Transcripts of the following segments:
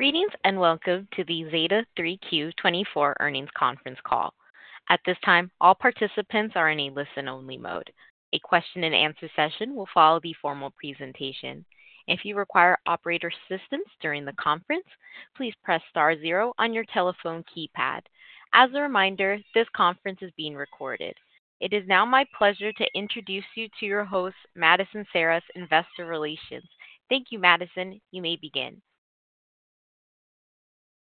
Greetings, and welcome to the Zeta 3Q 2024 Earnings Conference Call. At this time, all participants are in a listen-only mode. A question-and-answer session will follow the formal presentation. If you require operator assistance during the conference, please press star zero on your telephone keypad. As a reminder, this conference is being recorded. It is now my pleasure to introduce you to your host, Madison Serras, Investor Relations. Thank you, Madison. You may begin.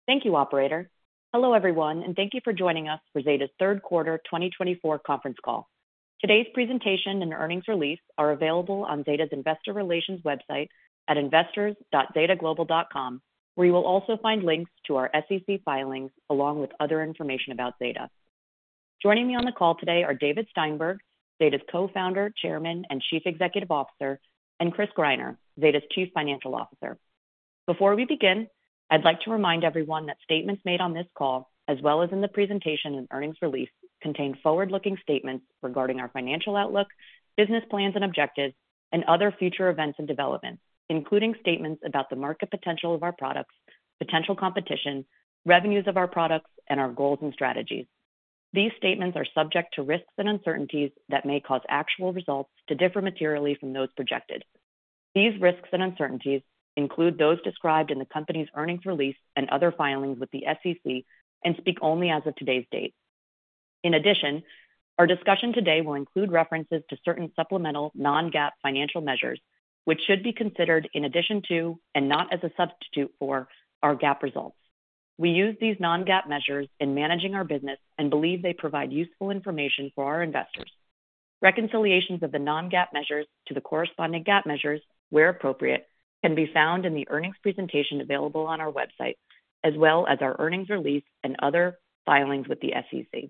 Thank you, Operator. Hello, everyone, and thank you for joining us for Zeta's Third Quarter 2024 Conference Call. Today's presentation and earnings release are available on Zeta's Investor Relations website at investors.zeta-global.com, where you will also find links to our SEC filings along with other information about Zeta. Joining me on the call today are David Steinberg, Zeta's Co-founder, Chairman, and Chief Executive Officer, and Chris Greiner, Zeta's Chief Financial Officer. Before we begin, I'd like to remind everyone that statements made on this call, as well as in the presentation and earnings release, contain forward-looking statements regarding our financial outlook, business plans and objectives, and other future events and developments, including statements about the market potential of our products, potential competition, revenues of our products, and our goals and strategies. These statements are subject to risks and uncertainties that may cause actual results to differ materially from those projected. These risks and uncertainties include those described in the company's earnings release and other filings with the SEC and speak only as of today's date. In addition, our discussion today will include references to certain supplemental non-GAAP financial measures, which should be considered in addition to and not as a substitute for our GAAP results. We use these non-GAAP measures in managing our business and believe they provide useful information for our investors. Reconciliations of the non-GAAP measures to the corresponding GAAP measures, where appropriate, can be found in the earnings presentation available on our website, as well as our earnings release and other filings with the SEC.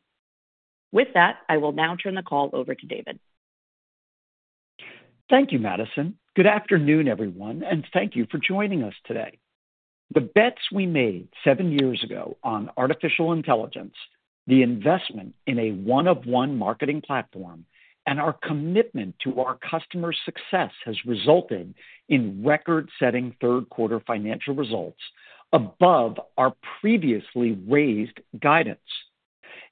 With that, I will now turn the call over to David. Thank you, Madison. Good afternoon, everyone, and thank you for joining us today. The bets we made seven years ago on artificial intelligence, the investment in a one-of-one marketing platform, and our commitment to our customer success has resulted in record-setting third quarter financial results above our previously raised guidance.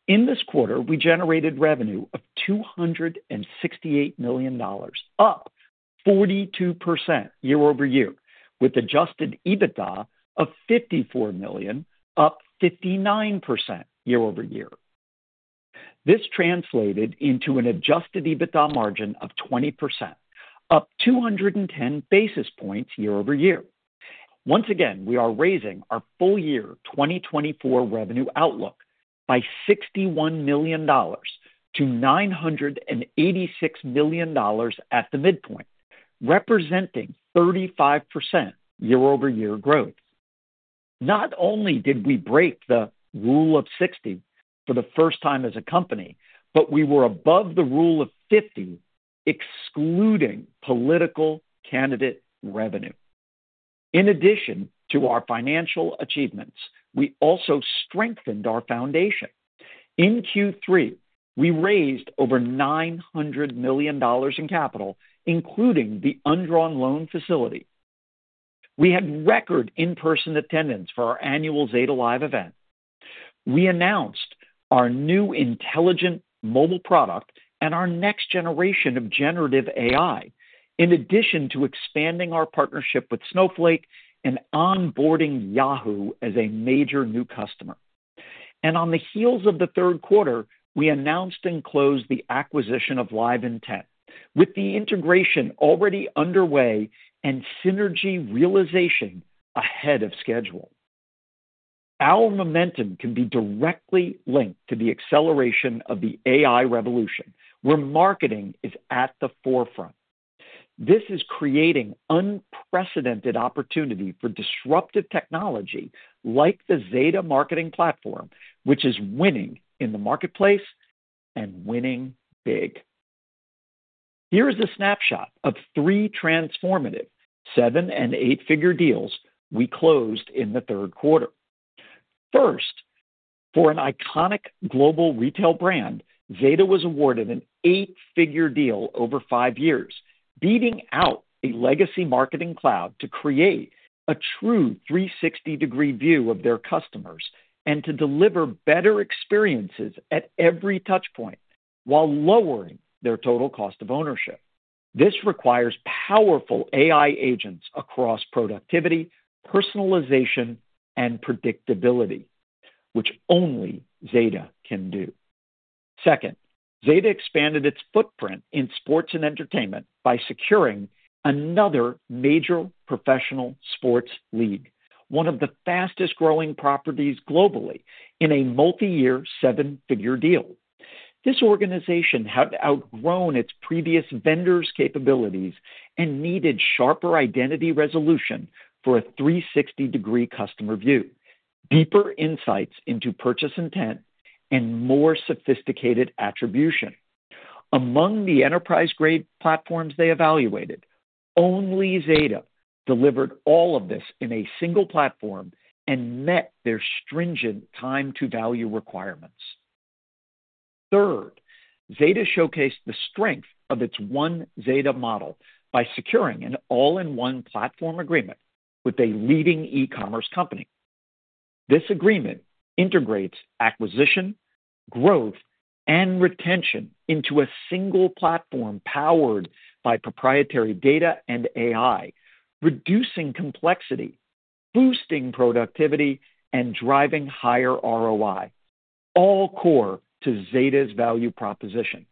In this quarter, we generated revenue of $268 million, up 42% year-over-year, with Adjusted EBITDA of $54 million, up 59% year-over-year. This translated into an adjusted EBITDA margin of 20%, up 210 basis points year-over-year. Once again, we are raising our full year 2024 revenue outlook by $61 million-$986 million at the midpoint, representing 35% year-over-year growth. Not only did we break the Rule of 60 for the first time as a company, but we were above the Rule of 50, excluding political candidate revenue. In addition to our financial achievements, we also strengthened our foundation. In Q3, we raised over $900 million in capital, including the undrawn loan facility. We had record in-person attendance for our annual Zeta Live event. We announced our new Intelligent Mobile product and our next generation of generative AI, in addition to expanding our partnership with Snowflake and onboarding Yahoo as a major new customer, and on the heels of the third quarter, we announced and closed the acquisition of LiveIntent, with the integration already underway and synergy realization ahead of schedule. Our momentum can be directly linked to the acceleration of the AI revolution, where marketing is at the forefront. This is creating unprecedented opportunity for disruptive technology like the Zeta Marketing Platform, which is winning in the marketplace and winning big. Here is a snapshot of three transformative seven- and eight-figure deals we closed in the third quarter. First, for an iconic global retail brand, Zeta was awarded an eight-figure deal over five years, beating out a legacy marketing cloud to create a true 360-degree view of their customers and to deliver better experiences at every touchpoint while lowering their total cost of ownership. This requires powerful AI agents across productivity, personalization, and predictability, which only Zeta can do. Second, Zeta expanded its footprint in sports and entertainment by securing another major professional sports league, one of the fastest-growing properties globally, in a multi-year seven-figure deal. This organization had outgrown its previous vendors' capabilities and needed sharper identity resolution for a 360-degree customer view, deeper insights into purchase intent, and more sophisticated attribution. Among the enterprise-grade platforms they evaluated, only Zeta delivered all of this in a single platform and met their stringent time-to-value requirements. Third, Zeta showcased the strength of its One Zeta model by securing an all-in-one platform agreement with a leading e-commerce company. This agreement integrates acquisition, growth, and retention into a single platform powered by proprietary data and AI, reducing complexity, boosting productivity, and driving higher ROI, all core to Zeta's value proposition.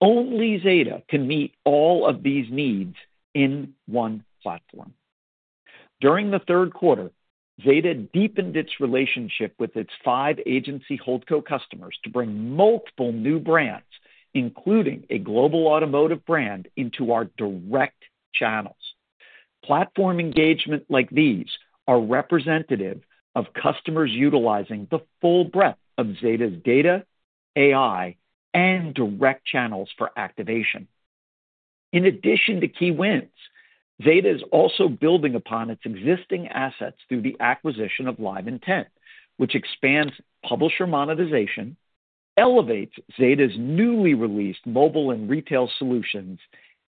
Only Zeta can meet all of these needs in one platform. During the third quarter, Zeta deepened its relationship with its five agency holdco customers to bring multiple new brands, including a global automotive brand, into our direct channels. Platform engagements like these are representative of customers utilizing the full breadth of Zeta's data, AI, and direct channels for activation. In addition to key wins, Zeta is also building upon its existing assets through the acquisition of LiveIntent, which expands publisher monetization, elevates Zeta's newly released mobile and retail solutions,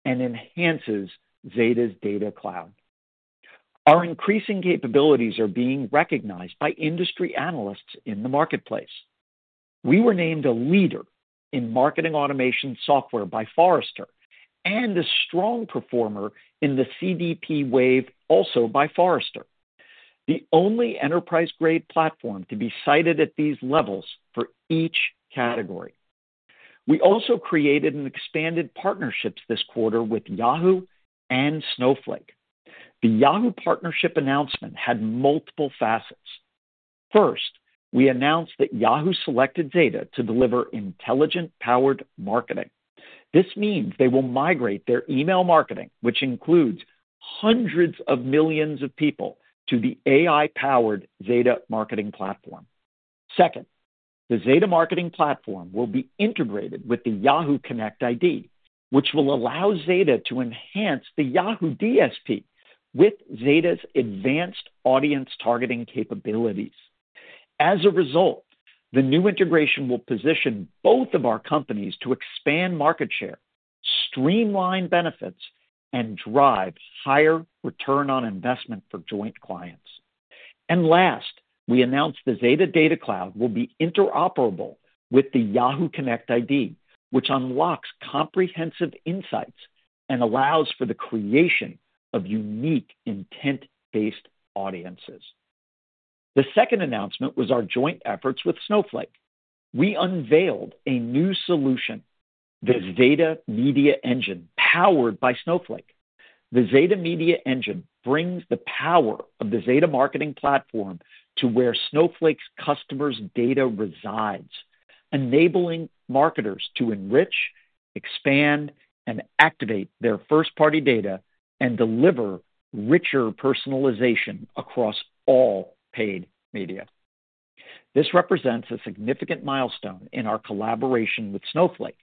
and enhances Zeta's Data Cloud. Our increasing capabilities are being recognized by industry analysts in the marketplace. We were named a leader in marketing automation software by Forrester and a strong performer in the CDP Wave also by Forrester, the only enterprise-grade platform to be cited at these levels for each category. We also created and expanded partnerships this quarter with Yahoo and Snowflake. The Yahoo partnership announcement had multiple facets. First, we announced that Yahoo selected Zeta to deliver AI-powered marketing. This means they will migrate their email marketing, which includes hundreds of millions of people, to the AI-powered Zeta Marketing Platform. Second, the Zeta Marketing Platform will be integrated with the Yahoo ConnectID, which will allow Zeta to enhance the Yahoo DSP with Zeta's advanced audience targeting capabilities. As a result, the new integration will position both of our companies to expand market share, streamline benefits, and drive higher return on investment for joint clients. And last, we announced the Zeta Data Cloud will be interoperable with the Yahoo ConnectID, which unlocks comprehensive insights and allows for the creation of unique intent-based audiences. The second announcement was our joint efforts with Snowflake. We unveiled a new solution, the Zeta Media Engine powered by Snowflake. The Zeta Media Engine brings the power of the Zeta Marketing Platform to where Snowflake's customers' data resides, enabling marketers to enrich, expand, and activate their first-party data and deliver richer personalization across all paid media. This represents a significant milestone in our collaboration with Snowflake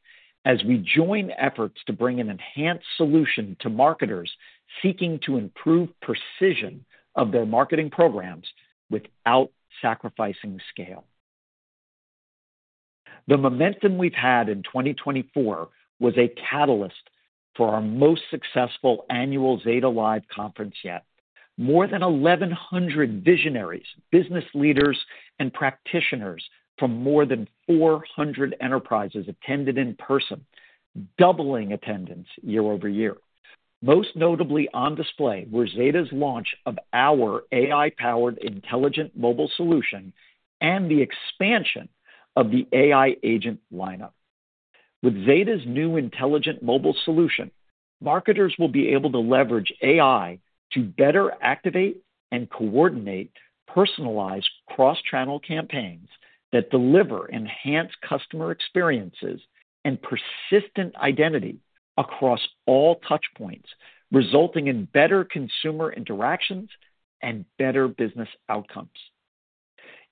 as we join efforts to bring an enhanced solution to marketers seeking to improve precision of their marketing programs without sacrificing scale. The momentum we've had in 2024 was a catalyst for our most successful annual Zeta Live conference yet. More than 1,100 visionaries, business leaders, and practitioners from more than 400 enterprises attended in person, doubling attendance year-over-year. Most notably on display were Zeta's launch of our AI-powered Intelligent Mobile solution and the expansion of the AI Agent lineup. With Zeta's new Intelligent Mobile solution, marketers will be able to leverage AI to better activate and coordinate personalized cross-channel campaigns that deliver enhanced customer experiences and persistent identity across all touchpoints, resulting in better consumer interactions and better business outcomes.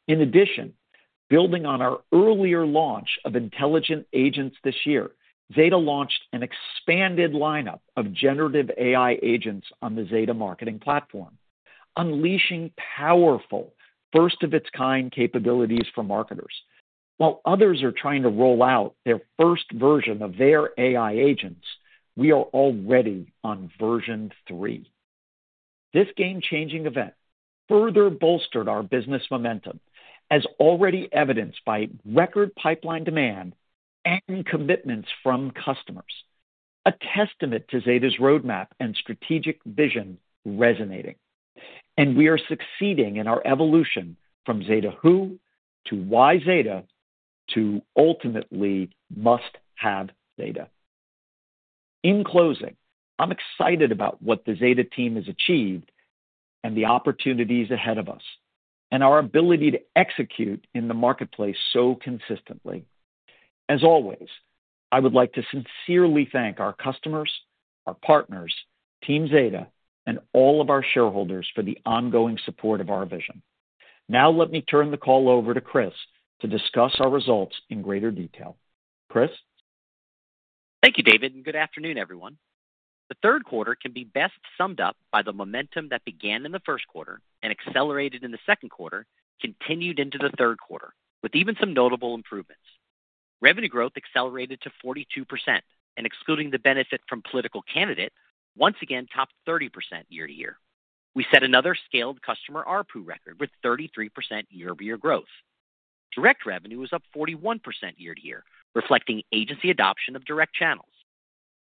In addition, building on our earlier launch of intelligent agents this year, Zeta launched an expanded lineup of generative AI agents on the Zeta Marketing Platform, unleashing powerful first-of-its-kind capabilities for marketers. While others are trying to roll out their first version of their AI agents, we are already on version three. This game-changing event further bolstered our business momentum, as already evidenced by record pipeline demand and commitments from customers, a testament to Zeta's roadmap and strategic vision resonating. We are succeeding in our evolution from Zeta Who to Why Zeta to ultimately Must-Have Zeta. In closing, I'm excited about what the Zeta team has achieved and the opportunities ahead of us and our ability to execute in the marketplace so consistently. As always, I would like to sincerely thank our customers, our partners, Team Zeta, and all of our shareholders for the ongoing support of our vision. Now, let me turn the call over to Chris to discuss our results in greater detail. Chris? Thank you, David, and good afternoon, everyone. The third quarter can be best summed up by the momentum that began in the first quarter and accelerated in the second quarter, continued into the third quarter, with even some notable improvements. Revenue growth accelerated to 42%, and excluding the benefit from political candidate, once again topped 30% year-to-year. We set another Scaled Customers ARPU record with 33% year-over-year growth. Direct revenue was up 41% year-to-year, reflecting agency adoption of direct channels.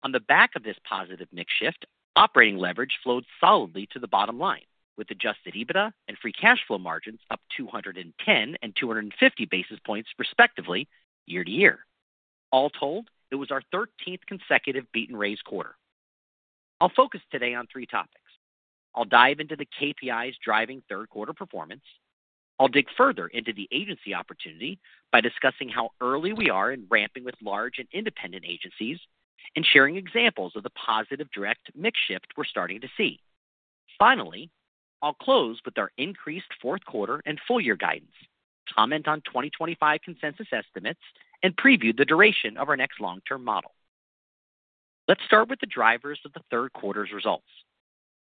On the back of this positive mix shift, operating leverage flowed solidly to the bottom line, with Adjusted EBITDA and Free Cash Flow margins up 210 and 250 basis points, respectively, year-to-year. All told, it was our 13th consecutive beat-and-raise quarter. I'll focus today on three topics. I'll dive into the KPIs driving third-quarter performance. I'll dig further into the agency opportunity by discussing how early we are in ramping with large and independent agencies and sharing examples of the positive direct mix shift we're starting to see. Finally, I'll close with our increased fourth quarter and full-year guidance, comment on 2025 consensus estimates, and preview the duration of our next long-term model. Let's start with the drivers of the third quarter's results.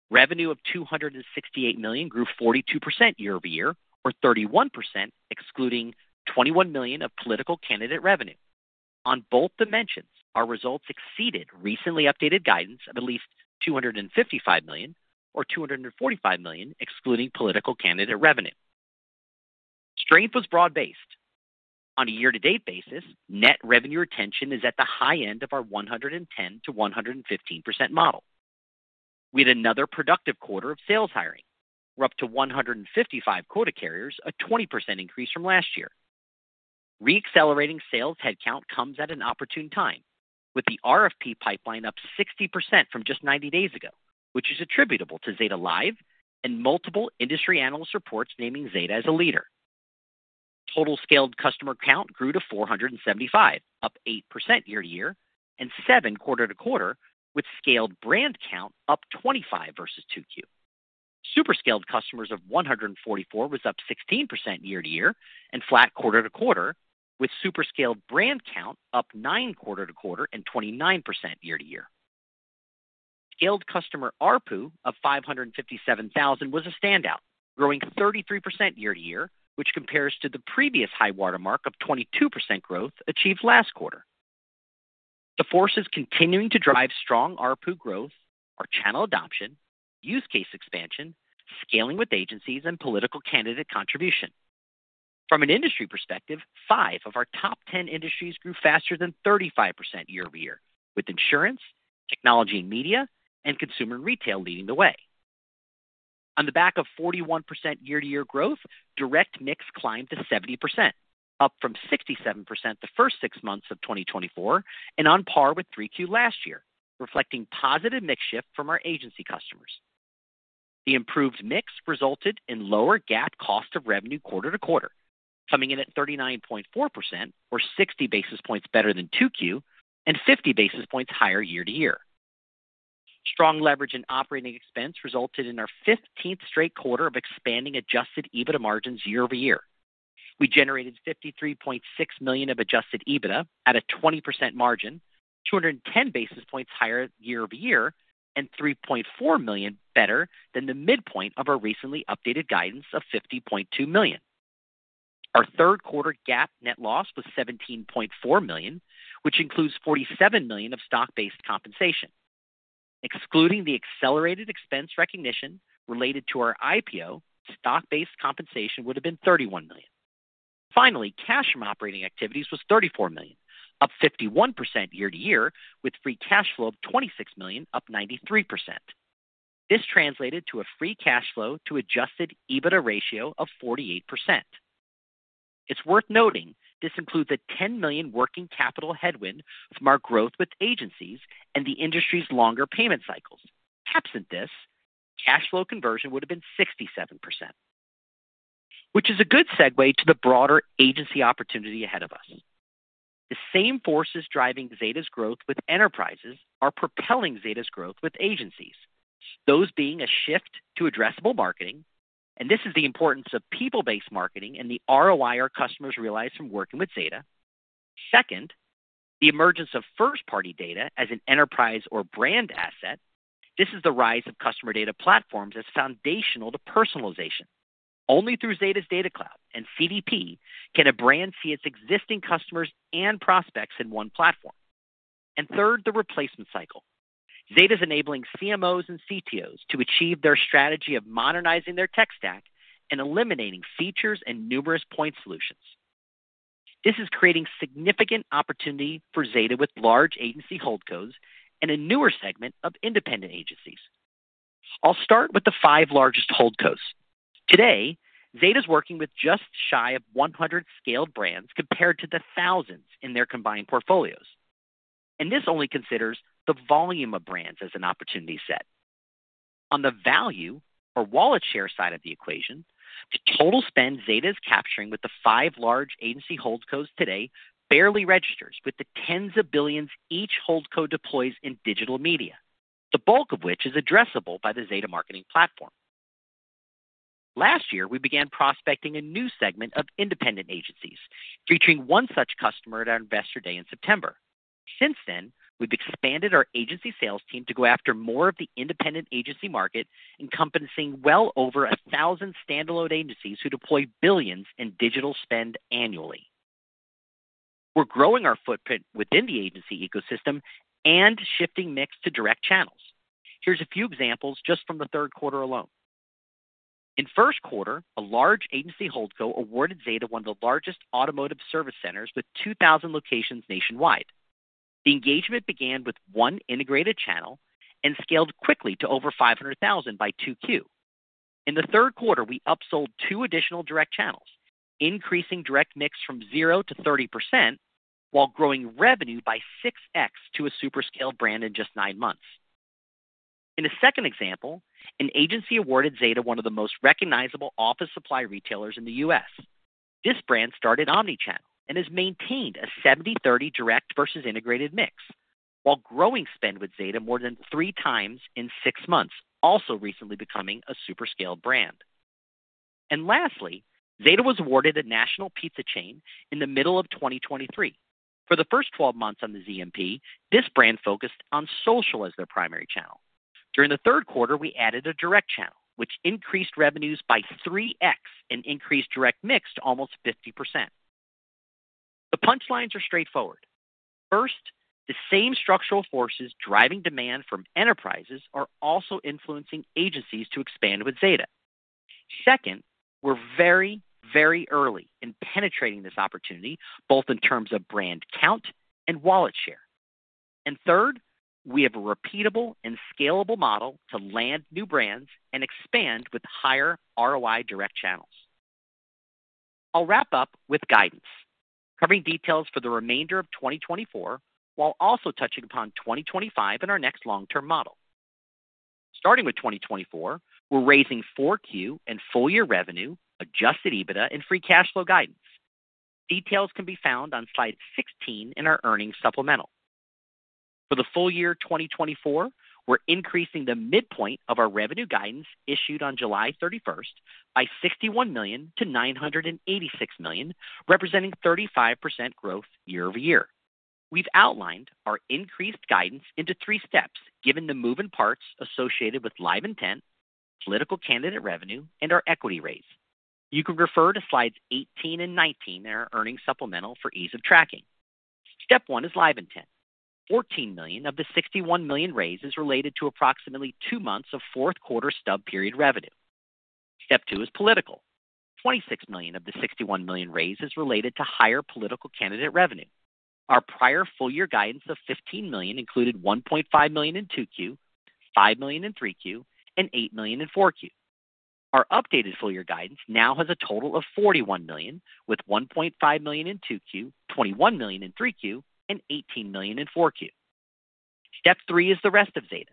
Revenue of $268 million grew 42% year-over-year, or 31% excluding $21 million of political candidate revenue. On both dimensions, our results exceeded recently updated guidance of at least $255 million, or $245 million excluding political candidate revenue. Strength was broad-based. On a year-to-date basis, net revenue retention is at the high end of our 110%-115% model. We had another productive quarter of sales hiring, up to 155 quota carriers, a 20% increase from last year. Re-accelerating sales headcount comes at an opportune time, with the RFP pipeline up 60% from just 90 days ago, which is attributable to Zeta Live and multiple industry analyst reports naming Zeta as a leader. Total Scaled Customer count grew to 475, up 8% year-to-year, and seven quarter to quarter, with scaled brand count up 25 versus 2Q. Super Scaled Customers of 144 was up 16% year-to-year, and flat quarter to quarter, with Super Scaled brand count up nine quarter to quarter and 29% year-to-year. Scaled Customer ARPU of $557,000 was a standout, growing 33% year-to-year, which compares to the previous high watermark of 22% growth achieved last quarter. The forces continuing to drive strong ARPU growth are channel adoption, use case expansion, scaling with agencies, and political candidate contribution. From an industry perspective, five of our top 10 industries grew faster than 35% year-over-year, with insurance, technology and media, and consumer retail leading the way. On the back of 41% year-to-year growth, direct mix climbed to 70%, up from 67% the first six months of 2024 and on par with 3Q last year, reflecting positive mix shift from our agency customers. The improved mix resulted in lower GAAP cost of revenue quarter to quarter, coming in at 39.4%, or 60 basis points better than 2Q and 50 basis points higher year-to-year. Strong leverage and operating expense resulted in our 15th straight quarter of expanding Adjusted EBITDA margins year-over-year. We generated $53.6 million of Adjusted EBITDA at a 20% margin, 210 basis points higher year-over-year, and $3.4 million better than the midpoint of our recently updated guidance of $50.2 million. Our third quarter GAAP net loss was $17.4 million, which includes $47 million of stock-based compensation. Excluding the accelerated expense recognition related to our IPO, stock-based compensation would have been $31 million. Finally, cash from operating activities was $34 million, up 51% year-to-year, with free cash flow of $26 million, up 93%. This translated to a free cash flow to Adjusted EBITDA ratio of 48%. It's worth noting this includes a $10 million working capital headwind from our growth with agencies and the industry's longer payment cycles. Absent this, cash flow conversion would have been 67%, which is a good segue to the broader agency opportunity ahead of us. The same forces driving Zeta's growth with enterprises are propelling Zeta's growth with agencies, those being a shift to addressable marketing, and this is the importance of people-based marketing and the ROI our customers realize from working with Zeta. Second, the emergence of first-party data as an enterprise or brand asset. This is the rise of customer data platforms as foundational to personalization. Only through Zeta Data Cloud and CDP can a brand see its existing customers and prospects in one platform. And third, the replacement cycle. Zeta is enabling CMOs and CTOs to achieve their strategy of modernizing their tech stack and eliminating features and numerous point solutions. This is creating significant opportunity for Zeta with large agency holdcos and a newer segment of independent agencies. I'll start with the five largest holdcos. Today, Zeta is working with just shy of 100 scaled brands compared to the thousands in their combined portfolios. And this only considers the volume of brands as an opportunity set. On the value or wallet share side of the equation, the total spend Zeta is capturing with the five large agency holdcos today barely registers with the tens of billions each holdco deploys in digital media, the bulk of which is addressable by the Zeta Marketing Platform. Last year, we began prospecting a new segment of independent agencies, featuring one such customer at our investor day in September. Since then, we've expanded our agency sales team to go after more of the independent agency market, encompassing well over 1,000 standalone agencies who deploy billions in digital spend annually. We're growing our footprint within the agency ecosystem and shifting mix to direct channels. Here's a few examples just from the third quarter alone. In first quarter, a large agency holdco awarded Zeta one of the largest automotive service centers with 2,000 locations nationwide. The engagement began with one integrated channel and scaled quickly to over 500,000 by 2Q. In the third quarter, we upsold two additional direct channels, increasing direct mix from 0 to 30% while growing revenue by 6X to a Super Scaled brand in just nine months. In a second example, an agency awarded Zeta one of the most recognizable office supply retailers in the U.S. This brand started omnichannel and has maintained a 70/30 direct versus integrated mix, while growing spend with Zeta more than three times in six months, also recently becoming a Super Scaled brand. And lastly, Zeta was awarded a national pizza chain in the middle of 2023. For the first 12 months on the ZMP, this brand focused on social as their primary channel. During the third quarter, we added a direct channel, which increased revenues by 3X and increased direct mix to almost 50%. The punchlines are straightforward. First, the same structural forces driving demand from enterprises are also influencing agencies to expand with Zeta. Second, we're very, very early in penetrating this opportunity, both in terms of brand count and wallet share. And third, we have a repeatable and scalable model to land new brands and expand with higher ROI direct channels. I'll wrap up with guidance, covering details for the remainder of 2024 while also touching upon 2025 and our next long-term model. Starting with 2024, we're raising 4Q and full-year revenue, Adjusted EBITDA, and Free Cash Flow guidance. Details can be found on slide 16 in our earnings supplemental. For the full year 2024, we're increasing the midpoint of our revenue guidance issued on July 31st by $61 million-$986 million, representing 35% growth year-over-year. We've outlined our increased guidance into three steps, given the moving parts associated with LiveIntent, political candidate revenue, and our equity raise. You can refer to slides 18 and 19 in our earnings supplemental for ease of tracking. Step one is LiveIntent. $14 million of the $61 million raise is related to approximately two months of fourth quarter stub period revenue. Step two is political. $26 million of the $61 million raise is related to higher political candidate revenue. Our prior full-year guidance of $15 million included $1.5 million in 2Q, $5 million in 3Q, and $8 million in 4Q. Our updated full-year guidance now has a total of $41 million, with $1.5 million in 2Q, $21 million in 3Q, and $18 million in 4Q. Step three is the rest of Zeta.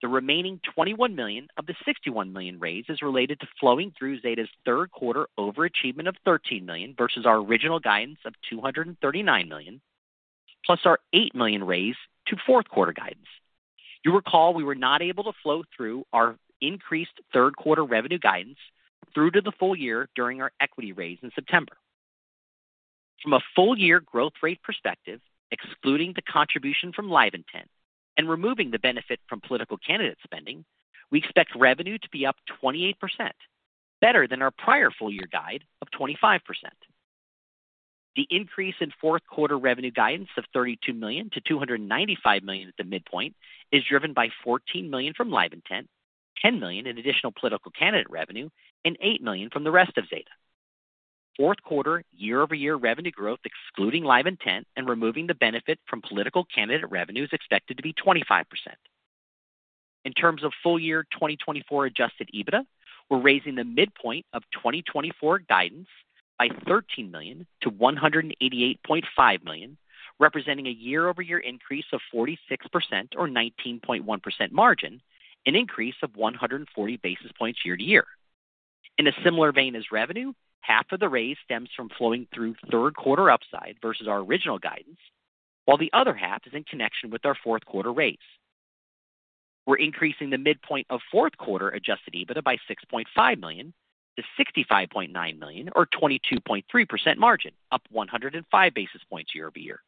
The remaining $21 million of the $61 million raise is related to flowing through Zeta's third quarter overachievement of $13 million versus our original guidance of $239 million, plus our $8 million raise to fourth quarter guidance. You recall we were not able to flow through our increased third quarter revenue guidance through to the full year during our equity raise in September. From a full-year growth rate perspective, excluding the contribution from LiveIntent and removing the benefit from political candidate spending, we expect revenue to be up 28%, better than our prior full-year guide of 25%. The increase in fourth quarter revenue guidance of $32 million-$295 million at the midpoint is driven by $14 million from LiveIntent, $10 million in additional political candidate revenue, and $8 million from the rest of Zeta. Fourth quarter year-over-year revenue growth, excluding LiveIntent and removing the benefit from political candidate revenue, is expected to be 25%. In terms of full year 2024 Adjusted EBITDA, we're raising the midpoint of 2024 guidance by $13 million-$188.5 million, representing a year-over-year increase of 46% or 19.1% margin, an increase of 140 basis points year-to-year. In a similar vein as revenue, half of the raise stems from flowing through third quarter upside versus our original guidance, while the other half is in connection with our fourth quarter raise. We're increasing the midpoint of fourth quarter Adjusted EBITDA by $6.5 million-$65.9 million or 22.3% margin, up 105 basis points year-over-year.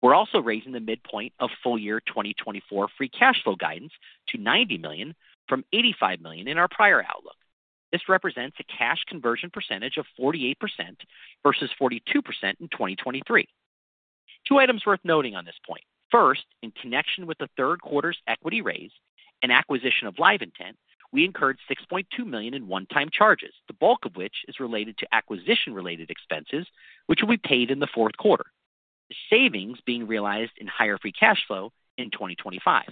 We're also raising the midpoint of full year 2024 Free Cash Flow guidance to $90 million from $85 million in our prior outlook. This represents a cash conversion percentage of 48% versus 42% in 2023. Two items worth noting on this point. First, in connection with the third quarter's equity raise and acquisition of LiveIntent, we incurred $6.2 million in one-time charges, the bulk of which is related to acquisition-related expenses, which will be paid in the fourth quarter, the savings being realized in higher free cash flow in 2025,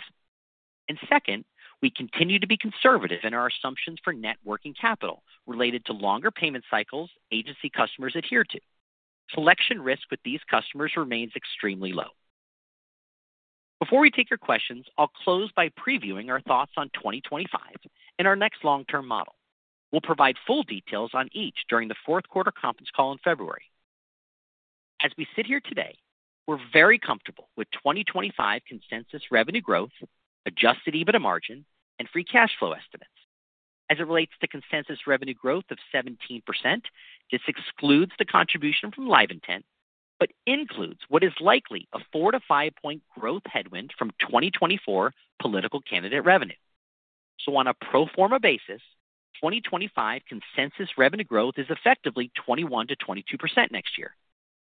and second, we continue to be conservative in our assumptions for net working capital related to longer payment cycles agency customers adhere to. Collection risk with these customers remains extremely low. Before we take your questions, I'll close by previewing our thoughts on 2025 and our next long-term model. We'll provide full details on each during the fourth quarter conference call in February. As we sit here today, we're very comfortable with 2025 consensus revenue growth, Adjusted EBITDA margin, and free cash flow estimates. As it relates to consensus revenue growth of 17%, this excludes the contribution from LiveIntent, but includes what is likely a 4- to 5-point growth headwind from 2024 political candidate revenue. So on a pro forma basis, 2025 consensus revenue growth is effectively 21%-22% next year.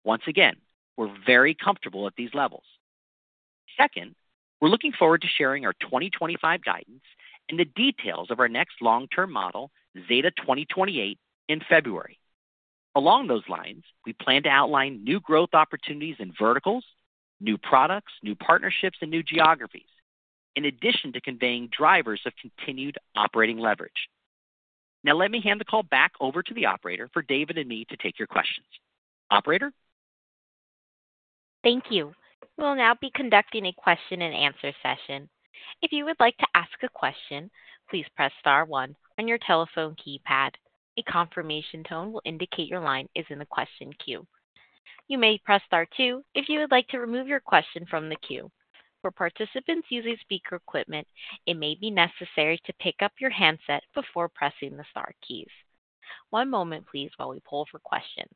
Once again, we're very comfortable at these levels. Second, we're looking forward to sharing our 2025 guidance and the details of our next long-term model, Zeta 2028, in February. Along those lines, we plan to outline new growth opportunities in verticals, new products, new partnerships, and new geographies, in addition to conveying drivers of continued operating leverage. Now, let me hand the call back over to the operator for David and me to take your questions. Operator? Thank you. We'll now be conducting a question-and-answer session. If you would like to ask a question, please press star one on your telephone keypad. A confirmation tone will indicate your line is in the question queue. You may press star two if you would like to remove your question from the queue. For participants using speaker equipment, it may be necessary to pick up your handset before pressing the star keys. One moment, please, while we poll for questions.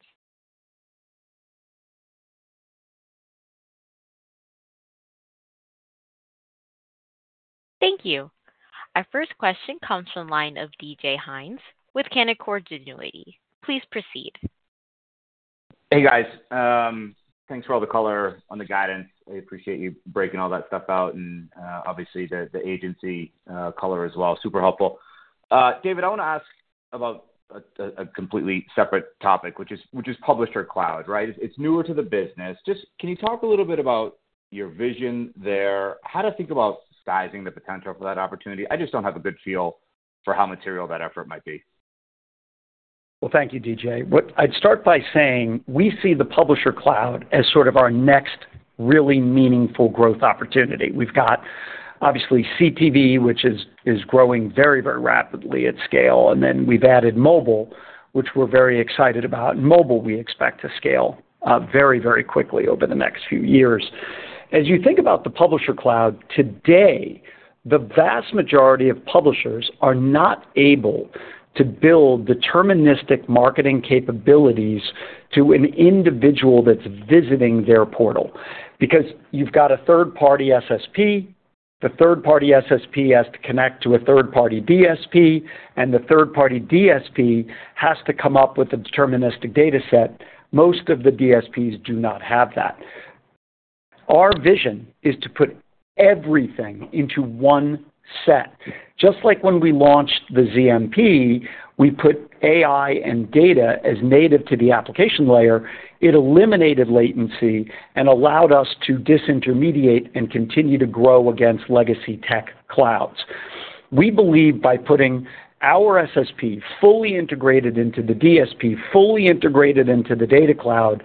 Thank you. Our first question comes from the line of D.J. Hynes with Canaccord Genuity. Please proceed. Hey, guys. Thanks for all the color on the guidance. I appreciate you breaking all that stuff out and obviously the agency color as well. Super helpful. David, I want to ask about a completely separate topic, which is Publisher Cloud, right? It's newer to the business. Just, can you talk a little bit about your vision there, how to think about sizing the potential for that opportunity? I just don't have a good feel for how material that effort might be. Well, thank you, D.J. I'd start by saying we see the Publisher Cloud as sort of our next really meaningful growth opportunity. We've got obviously CTV, which is growing very, very rapidly at scale. And then we've added mobile, which we're very excited about. And mobile, we expect to scale very, very quickly over the next few years. As you think about the Publisher Cloud today, the vast majority of publishers are not able to build deterministic marketing capabilities to an individual that's visiting their portal because you've got a third-party SSP. The third-party SSP has to connect to a third-party DSP, and the third-party DSP has to come up with a deterministic data set. Most of the DSPs do not have that. Our vision is to put everything into one set. Just like when we launched the ZMP, we put AI and data as native to the application layer. It eliminated latency and allowed us to disintermediate and continue to grow against legacy tech clouds. We believe by putting our SSP fully integrated into the DSP, fully integrated into the Data Cloud,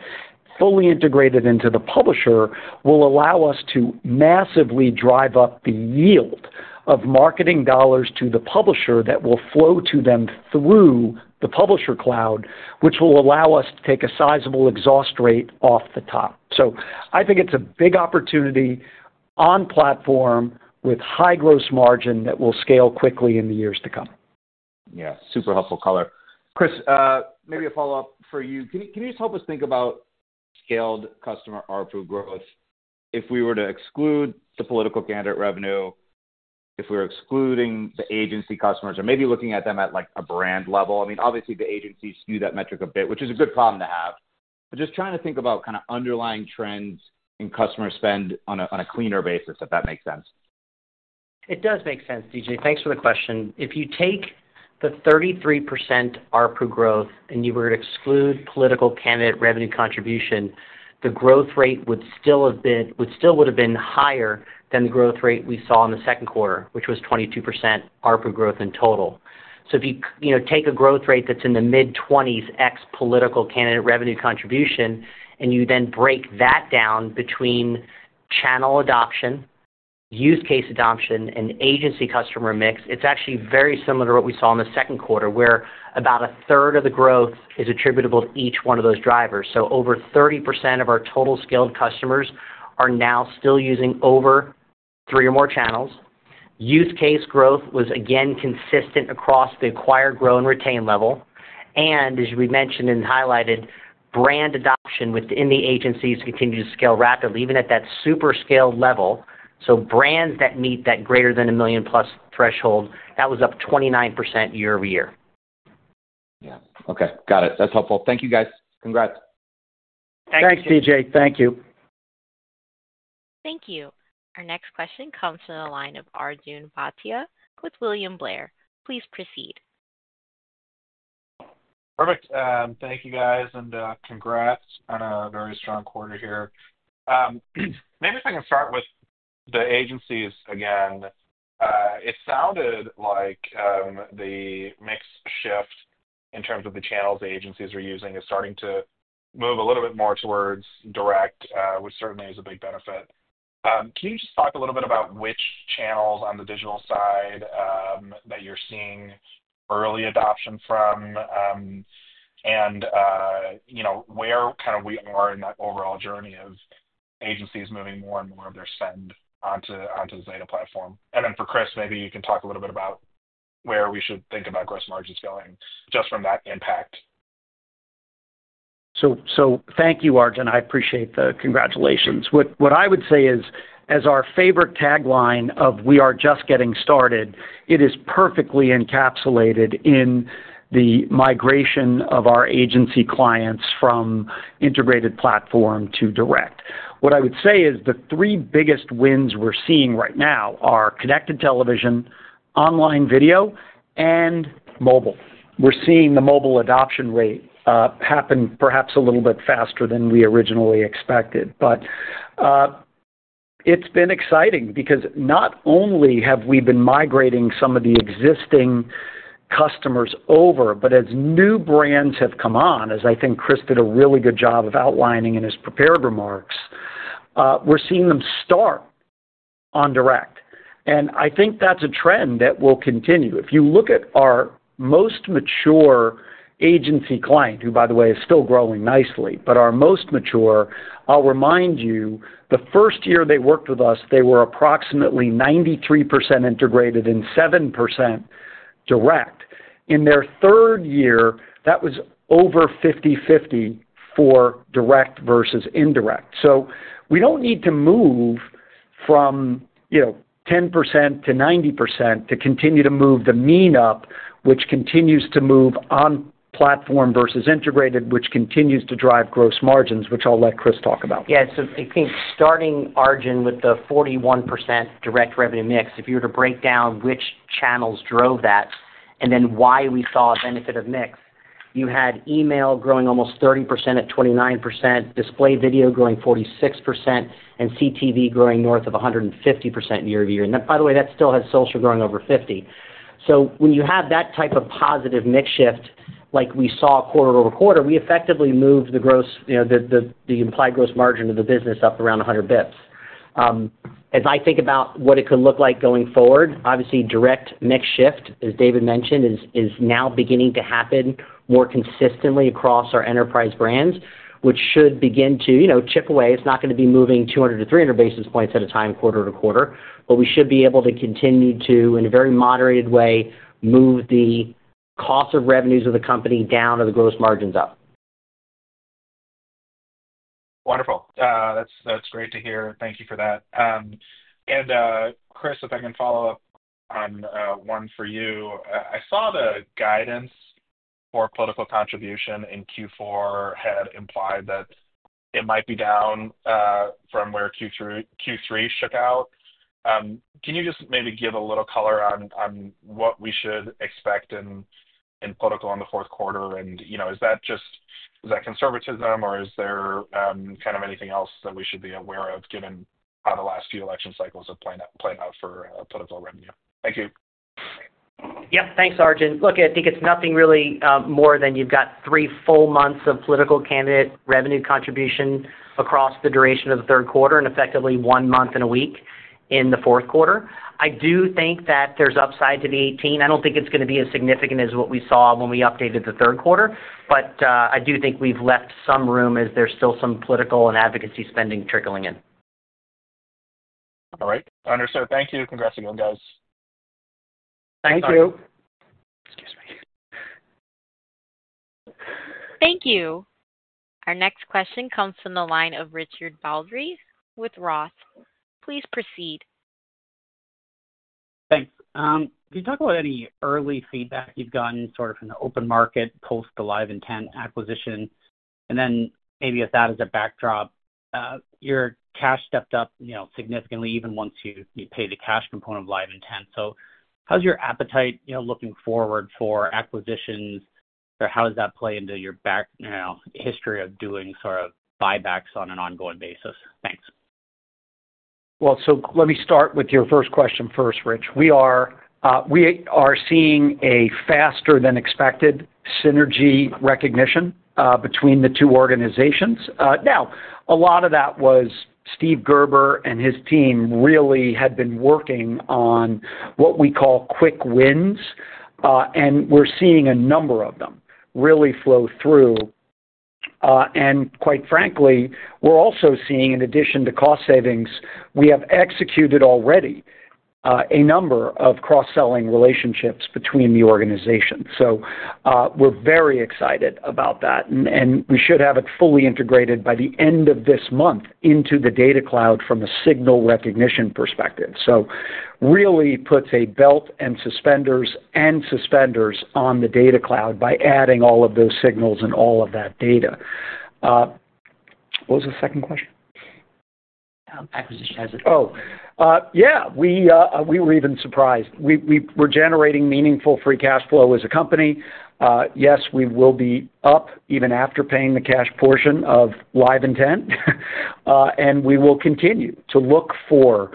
fully integrated into the publisher, will allow us to massively drive up the yield of marketing dollars to the publisher that will flow to them through the Publisher Cloud, which will allow us to take a sizable exhaust rate off the top. So I think it's a big opportunity on platform with high gross margin that will scale quickly in the years to come. Yeah. Super helpful color. Chris, maybe a follow-up for you. Can you just help us think about Scaled Customer NRR growth if we were to exclude the political candidate revenue, if we're excluding the agency customers, or maybe looking at them at a brand level? I mean, obviously, the agencies view that metric a bit, which is a good problem to have. But just trying to think about kind of underlying trends in customer spend on a cleaner basis, if that makes sense. It does make sense, D.J. Thanks for the question. If you take the 33% NRR growth and you were to exclude political candidate revenue contribution, the growth rate would still have been higher than the growth rate we saw in the second quarter, which was 22% NRR growth in total. So if you take a growth rate that's in the mid-20s ex political candidate revenue contribution, and you then break that down between channel adoption, use case adoption, and agency customer mix, it's actually very similar to what we saw in the second quarter, where about a third of the growth is attributable to each one of those drivers. So over 30% of our total Scaled Customers are now still using over three or more channels. Use case growth was, again, consistent across the acquired, grown, and retained level. And as we mentioned and highlighted, brand adoption within the agencies continued to scale rapidly, even at that Super Scale level. So brands that meet that greater than a million-plus threshold, that was up 29% year-over-year. Yeah. Okay. Got it. That's helpful. Thank you, guys. Congrats. Thanks, DJ. Thank you. Thank you. Our next question comes from the line of Arjun Bhatia with William Blair. Please proceed. Perfect. Thank you, guys, and congrats on a very strong quarter here. Maybe if I can start with the agencies again. It sounded like the mix shift in terms of the channels the agencies are using is starting to move a little bit more towards direct, which certainly is a big benefit. Can you just talk a little bit about which channels on the digital side that you're seeing early adoption from, and where kind of we are in that overall journey of agencies moving more and more of their spend onto Zeta platform? And then for Chris, maybe you can talk a little bit about where we should think about gross margins going just from that impact? So thank you, Arjun. I appreciate the congratulations. What I would say is, as our favorite tagline of, "We are just getting started," it is perfectly encapsulated in the migration of our agency clients from integrated platform to direct. What I would say is the three biggest wins we're seeing right now are connected television, online video, and mobile. We're seeing the mobile adoption rate happen perhaps a little bit faster than we originally expected. But it's been exciting because not only have we been migrating some of the existing customers over, but as new brands have come on, as I think Chris did a really good job of outlining in his prepared remarks, we're seeing them start on direct, and I think that's a trend that will continue. If you look at our most mature agency client, who, by the way, is still growing nicely, but our most mature, I'll remind you, the first year they worked with us, they were approximately 93% integrated and 7% direct. In their third year, that was over 50/50 for direct versus indirect. So we don't need to move from 10%-90% to continue to move the mean up, which continues to move on platform versus integrated, which continues to drive gross margins, which I'll let Chris talk about. Yeah. So I think starting, Arjun, with the 41% direct revenue mix, if you were to break down which channels drove that and then why we saw a benefit of mix, you had email growing almost 30% at 29%, display video growing 46%, and CTV growing north of 150% year-over-year. And by the way, that still has social growing over 50%. When you have that type of positive mix shift, like we saw quarter over quarter, we effectively moved the implied gross margin of the business up around 100 basis points. As I think about what it could look like going forward, obviously, direct mix shift, as David mentioned, is now beginning to happen more consistently across our enterprise brands, which should begin to chip away. It's not going to be moving 200-300 basis points at a time quarter to quarter, but we should be able to continue to, in a very moderated way, move the cost of revenues of the company down or the gross margins up. Wonderful. That's great to hear. Thank you for that. Chris, if I can follow up on one for you, I saw the guidance for political contribution in Q4 had implied that it might be down from where Q3 shook out. Can you just maybe give a little color on what we should expect in political on the fourth quarter? And is that just conservatism, or is there kind of anything else that we should be aware of given how the last few election cycles have played out for political revenue? Thank you. Yep. Thanks, Arjun. Look, I think it's nothing really more than you've got three full months of political candidate revenue contribution across the duration of the third quarter and effectively one month and a week in the fourth quarter. I do think that there's upside to the 18. I don't think it's going to be as significant as what we saw when we updated the third quarter, but I do think we've left some room as there's still some political and advocacy spending trickling in. All right. Understood. Thank you. Congrats again, guys. Thank you. Excuse me. Thank you. Our next question comes from the line of Richard Baldry with Roth. Please proceed. Thanks. Can you talk about any early feedback you've gotten sort of from the open market post the LiveIntent acquisition? And then maybe with that as a backdrop, your cash stepped up significantly even once you paid the cash component of LiveIntent. So how's your appetite looking forward for acquisitions, or how does that play into your history of doing sort of buybacks on an ongoing basis? Thanks. Well, so let me start with your first question first, Rich. We are seeing a faster-than-expected synergy recognition between the two organizations. Now, a lot of that was Steve Gerber and his team really had been working on what we call quick wins, and we're seeing a number of them really flow through. And quite frankly, we're also seeing, in addition to cost savings, we have executed already a number of cross-selling relationships between the organizations. So we're very excited about that, and we should have it fully integrated by the end of this month into the Data Cloud from a signal recognition perspective. So really puts a belt and suspenders on the Data Cloud by adding all of those signals and all of that data. What was the second question? Acquisition has it. Oh, yeah. We were even surprised. We're generating meaningful free cash flow as a company. Yes, we will be up even after paying the cash portion of LiveIntent, and we will continue to look for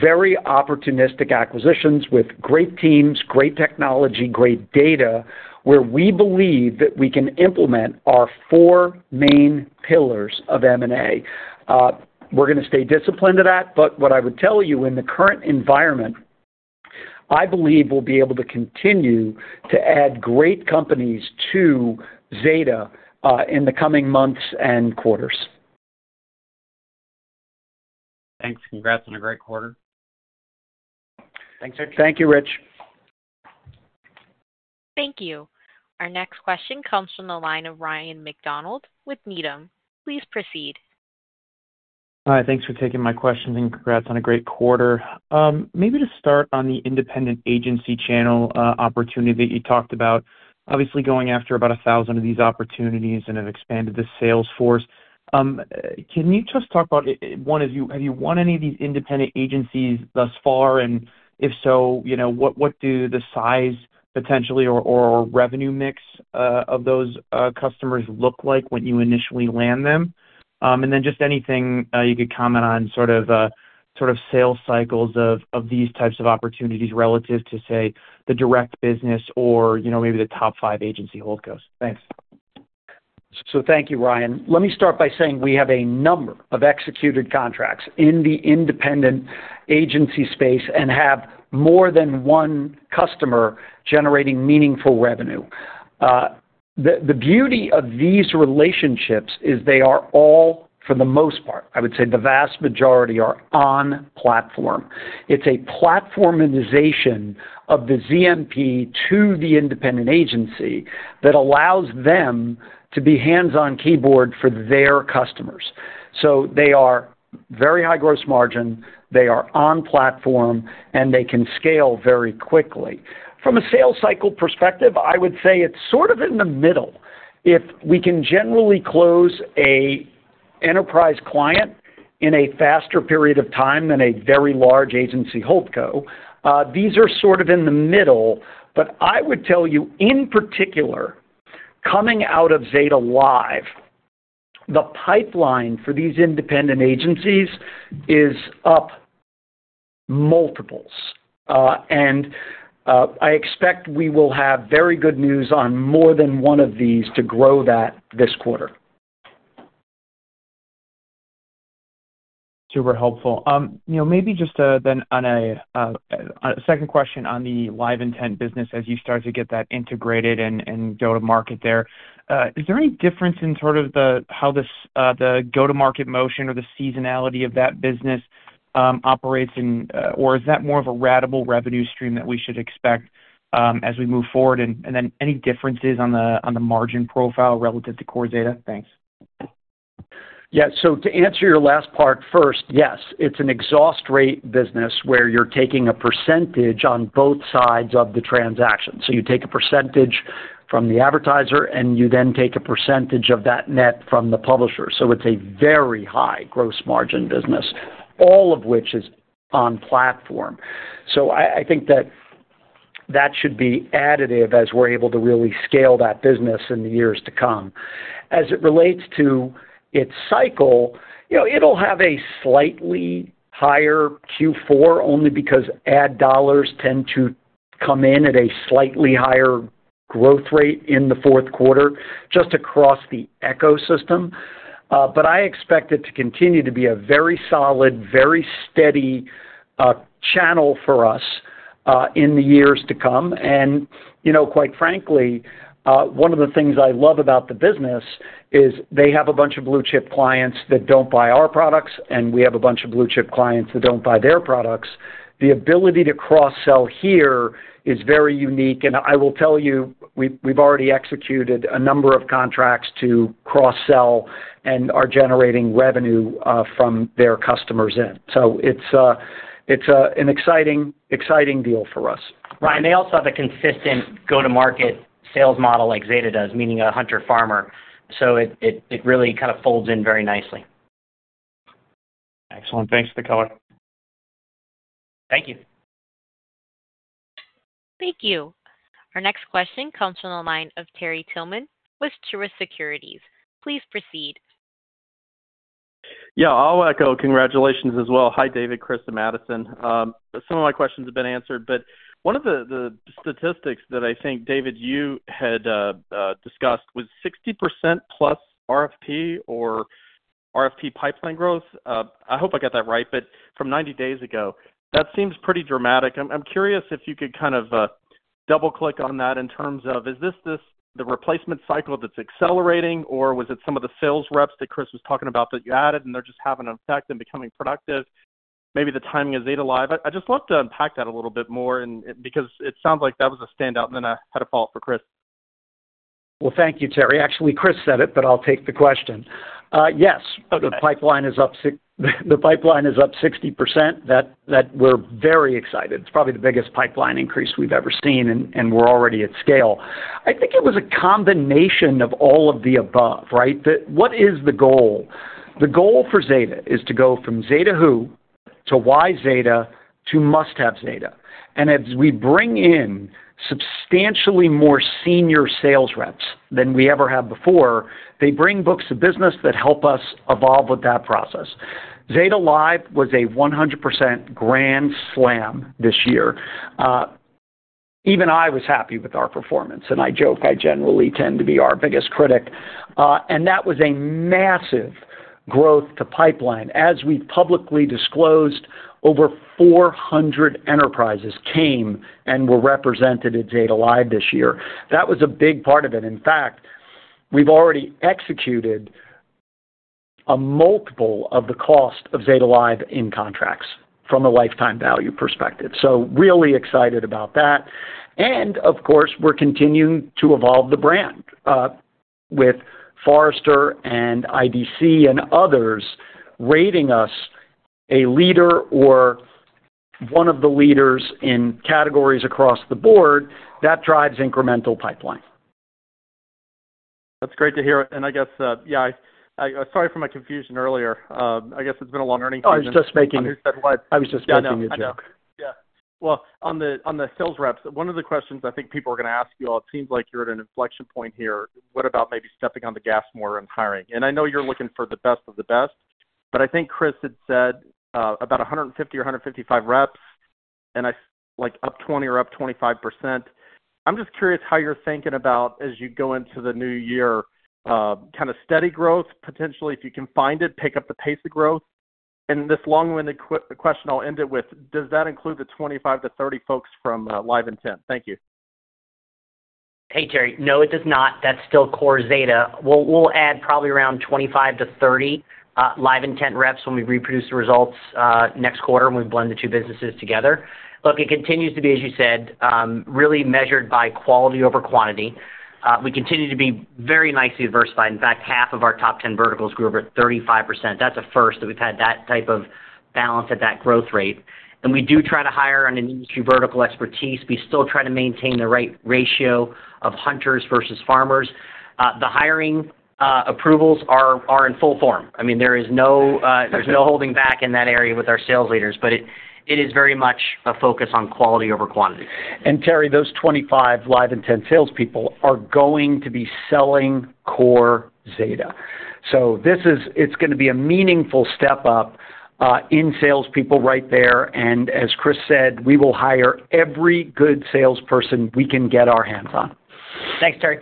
very opportunistic acquisitions with great teams, great technology, great data where we believe that we can implement our four main pillars of M&A. We're going to stay disciplined to that, but what I would tell you in the current environment, I believe we'll be able to continue to add great companies to Zeta in the coming months and quarters. Thanks. Congrats on a great quarter. Thanks, Rich. Thank you, Rich. Thank you. Our next question comes from the line of Ryan MacDonald with Needham. Please proceed. Hi. Thanks for taking my questions, and congrats on a great quarter. Maybe to start on the independent agency channel opportunity that you talked about, obviously going after about 1,000 of these opportunities and have expanded the sales force. Can you just talk about, one, have you won any of these independent agencies thus far? And if so, what do the size potentially or revenue mix of those customers look like when you initially land them? And then, just anything you could comment on sort of sales cycles of these types of opportunities relative to, say, the direct business or maybe the top five agency holdcos. Thanks. So thank you, Ryan. Let me start by saying we have a number of executed contracts in the independent agency space and have more than one customer generating meaningful revenue. The beauty of these relationships is they are all, for the most part, I would say the vast majority are on platform. It's a platformization of the ZMP to the independent agency that allows them to be hands-on keyboard for their customers. So they are very high gross margin, they are on platform, and they can scale very quickly. From a sales cycle perspective, I would say it's sort of in the middle. If we can generally close an enterprise client in a faster period of time than a very large agency holdco, these are sort of in the middle. But I would tell you, in particular, coming out of Zeta Live, the pipeline for these independent agencies is up multiples. And I expect we will have very good news on more than one of these to grow that this quarter. Super helpful. Maybe just then on a second question on the LiveIntent business as you start to get that integrated and go to market there, is there any difference in sort of how the go-to-market motion or the seasonality of that business operates, or is that more of a ratable revenue stream that we should expect as we move forward? And then any differences on the margin profile relative to core Zeta? Thanks. Yeah. So to answer your last part first, yes, it's an ad exchange business where you're taking a percentage on both sides of the transaction. So you take a percentage from the advertiser, and you then take a percentage of that net from the publisher. So it's a very high gross margin business, all of which is on platform. So I think that that should be additive as we're able to really scale that business in the years to come. As it relates to its cycle, it'll have a slightly higher Q4 only because ad dollars tend to come in at a slightly higher growth rate in the fourth quarter just across the ecosystem. But I expect it to continue to be a very solid, very steady channel for us in the years to come. And quite frankly, one of the things I love about the business is they have a bunch of blue-chip clients that don't buy our products, and we have a bunch of blue-chip clients that don't buy their products. The ability to cross-sell here is very unique. And I will tell you, we've already executed a number of contracts to cross-sell and are generating revenue from their customers in. So it's an exciting deal for us. Ryan, they also have a consistent go-to-market sales model like Zeta does, meaning a hunter-farmer. So it really kind of folds in very nicely. Excellent. Thanks for the color. Thank you. Thank you. Our next question comes from the line of Terry Tillman with Truist Securities. Please proceed. Yeah. I'll echo congratulations as well. Hi, David, Chris, and Madison. Some of my questions have been answered, but one of the statistics that I think, David, you had discussed was 60%+ RFP or RFP pipeline growth. I hope I got that right, but from 90 days ago. That seems pretty dramatic. I'm curious if you could kind of double-click on that in terms of, is this the replacement cycle that's accelerating, or was it some of the sales reps that Chris was talking about that you added, and they're just having an effect and becoming productive? Maybe the timing of Zeta Live. I just love to unpack that a little bit more because it sounds like that was a standout, and then I had to follow up for Chris. Thank you, Terry. Actually, Chris said it, but I'll take the question. Yes. The pipeline is up 60%. We're very excited. It's probably the biggest pipeline increase we've ever seen, and we're already at scale. I think it was a combination of all of the above, right? What is the goal? The goal for Zeta is to go from Zeta Who to Why Zeta to Must Have Zeta. And as we bring in substantially more senior sales reps than we ever have before, they bring books of business that help us evolve with that process. Zeta Live was a 100% grand slam this year. Even I was happy with our performance, and I joke I generally tend to be our biggest critic. And that was a massive growth to pipeline. As we've publicly disclosed, over 400 enterprises came and were represented at Zeta Live this year. That was a big part of it. In fact, we've already executed a multiple of the cost of Zeta Live in contracts from a lifetime value perspective. So really excited about that. And of course, we're continuing to evolve the brand with Forrester and IDC and others rating us a leader or one of the leaders in categories across the board. That drives incremental pipeline. That's great to hear. And I guess, yeah, sorry for my confusion earlier. I guess it's been a long learning period. I was just making a joke. Yeah. Well, on the sales reps, one of the questions I think people are going to ask you all, it seems like you're at an inflection point here. What about maybe stepping on the gas more and hiring? I know you're looking for the best of the best, but I think Chris had said about 150 or 155 reps, and I up 20% or up 25%. I'm just curious how you're thinking about, as you go into the new year, kind of steady growth, potentially, if you can find it, pick up the pace of growth. And this long-winded question, I'll end it with, does that include the 25-30 folks from LiveIntent? Thank you. Hey, Terry. No, it does not. That's still core Zeta. We'll add probably around 25-30 LiveIntent reps when we reproduce the results next quarter when we blend the two businesses together. Look, it continues to be, as you said, really measured by quality over quantity. We continue to be very nicely diversified. In fact, half of our top 10 verticals grew over 35%. That's a first that we've had that type of balance at that growth rate. And we do try to hire on an industry vertical expertise. We still try to maintain the right ratio of hunters versus farmers. The hiring approvals are in full form. I mean, there's no holding back in that area with our sales leaders, but it is very much a focus on quality over quantity. And Terry, those 25 LiveIntent salespeople are going to be selling core Zeta. So it's going to be a meaningful step up in salespeople right there. And as Chris said, we will hire every good salesperson we can get our hands on. Thanks, Terry.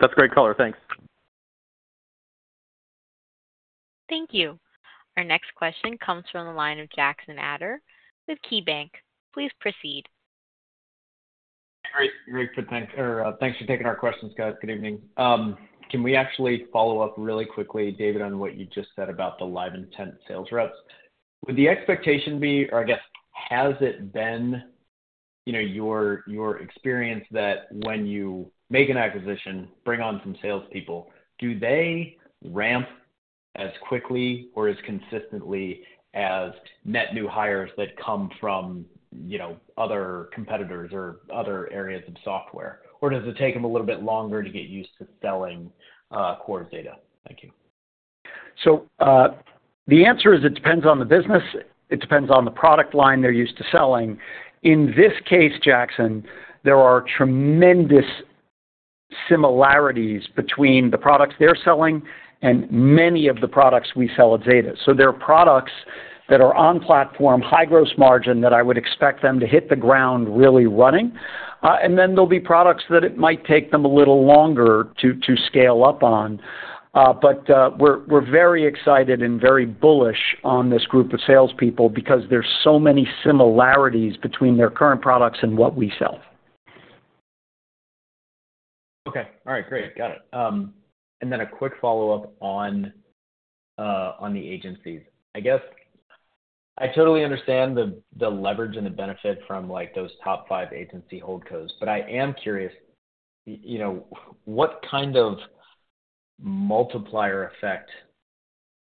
That's great color. Thanks. Thank you. Our next question comes from the line of Jackson Ader with KeyBanc. Please proceed. Great. Thanks for taking our questions, guys. Good evening. Can we actually follow up really quickly, David, on what you just said about the LiveIntent sales reps? Would the expectation be, or I guess, has it been your experience that when you make an acquisition, bring on some salespeople, do they ramp as quickly or as consistently as net new hires that come from other competitors or other areas of software? Or does it take them a little bit longer to get used to selling core Zeta? Thank you. So the answer is it depends on the business. It depends on the product line they're used to selling. In this case, Jackson, there are tremendous similarities between the products they're selling and many of the products we sell at Zeta. So there are products that are on platform, high gross margin that I would expect them to hit the ground really running. And then there'll be products that it might take them a little longer to scale up on. But we're very excited and very bullish on this group of salespeople because there's so many similarities between their current products and what we sell. Okay. All right. Great. Got it. And then a quick follow-up on the agencies. I guess I totally understand the leverage and the benefit from those top five agency holdcos, but I am curious, what kind of multiplier effect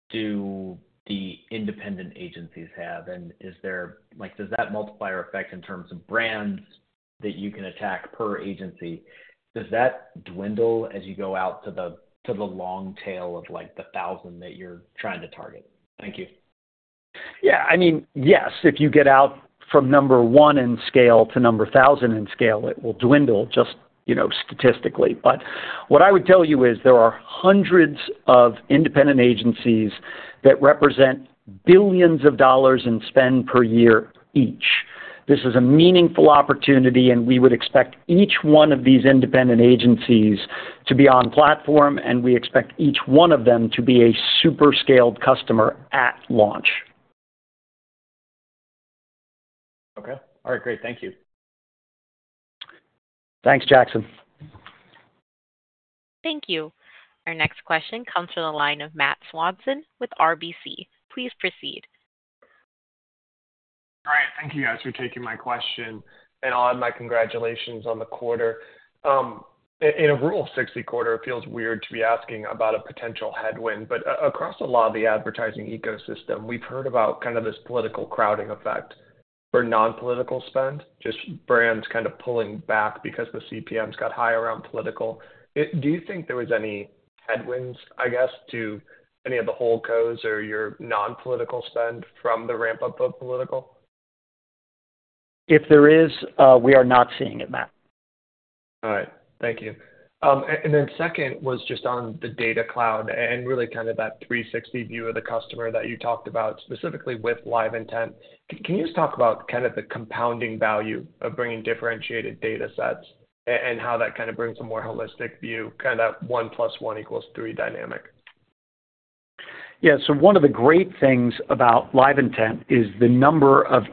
do the independent agencies have? And does that multiplier effect in terms of brands that you can attack per agency, does that dwindle as you go out to the long tail of the thousand that you're trying to target? Thank you. Yeah. I mean, yes, if you get out from number one and scale to number thousand and scale, it will dwindle just statistically. But what I would tell you is there are hundreds of independent agencies that represent billions of dollars in spend per year each. This is a meaningful opportunity, and we would expect each one of these independent agencies to be on platform, and we expect each one of them to be a Super Scaled Customer at launch. Okay. All right. Great. Thank you. Thanks, Jackson. Thank you. Our next question comes from the line of Matt Swanson with RBC. Please proceed. All right. Thank you, guys, for taking my question. And my congratulations on the quarter. In a Rule of 60 quarter, it feels weird to be asking about a potential headwind. But across a lot of the advertising ecosystem, we've heard about kind of this political crowding effect for non-political spend, just brands kind of pulling back because the CPMs got high around political. Do you think there was any headwinds, I guess, to any of the holdcos or your non-political spend from the ramp-up of political? If there is, we are not seeing it, Matt. All right. Thank you. And then second was just on the Data Cloud and really kind of that 360 view of the customer that you talked about specifically with LiveIntent. Can you just talk about kind of the compounding value of bringing differentiated data sets and how that kind of brings a more holistic view, kind of that one plus one equals three dynamic? Yeah. So one of the great things about LiveIntent is the number of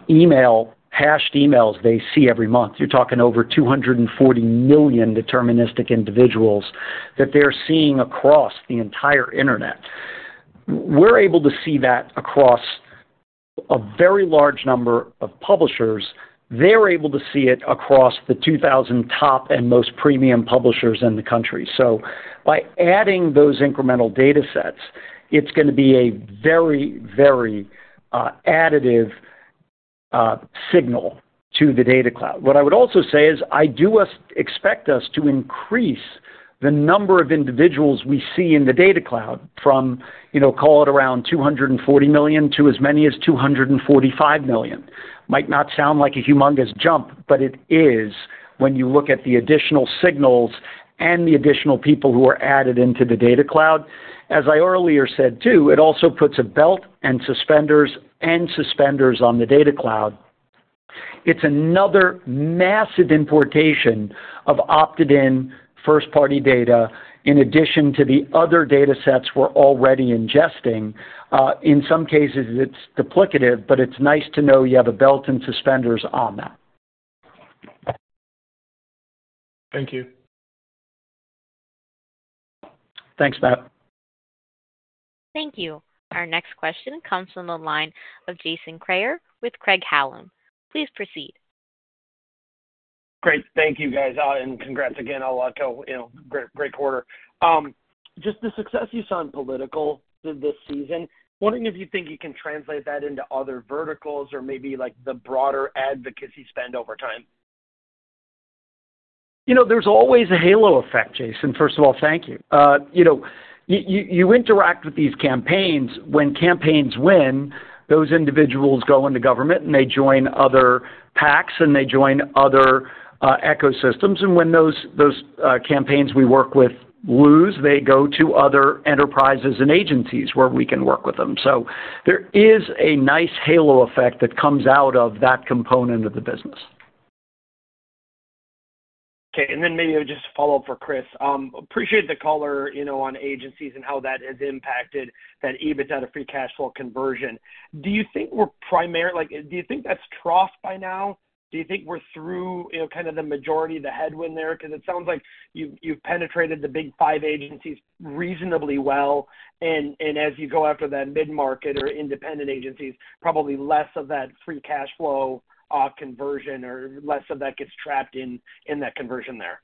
hashed emails they see every month. You're talking over 240 million deterministic individuals that they're seeing across the entire internet. We're able to see that across a very large number of publishers. They're able to see it across the 2,000 top and most premium publishers in the country. So by adding those incremental data sets, it's going to be a very, very additive signal to the Data Cloud. What I would also say is I do expect us to increase the number of individuals we see in the Data Cloud from, call it around 240 million to as many as 245 million. Might not sound like a humongous jump, but it is when you look at the additional signals and the additional people who are added into the Data Cloud. As I earlier said, too, it also puts a belt and suspenders on the Data Cloud. It's another massive importation of opted-in first-party data in addition to the other data sets we're already ingesting. In some cases, it's duplicative, but it's nice to know you have a belt and suspenders on that. Thank you. Thanks, Matt. Thank you. Our next question comes from the line of Jason Kreyer with Craig-Hallum. Please proceed. Great. Thank you, guys. And congrats again. I'll echo great quarter. Just the success you saw in political this season, wondering if you think you can translate that into other verticals or maybe the broader advocacy spend over time. There's always a halo effect, Jason. First of all, thank you. You interact with these campaigns. When campaigns win, those individuals go into government, and they join other PACs, and they join other ecosystems. And when those campaigns we work with lose, they go to other enterprises and agencies where we can work with them. So there is a nice halo effect that comes out of that component of the business. Okay. And then maybe just a follow-up for Chris. Appreciate the color on agencies and how that has impacted that EBITDA to free cash flow conversion. Do you think we're primarily? Do you think that's troughed by now? Do you think we're through kind of the majority of the headwind there? Because it sounds like you've penetrated the Big Five agencies reasonably well. And as you go after that mid-market or independent agencies, probably less of that free cash flow conversion or less of that gets trapped in that conversion there.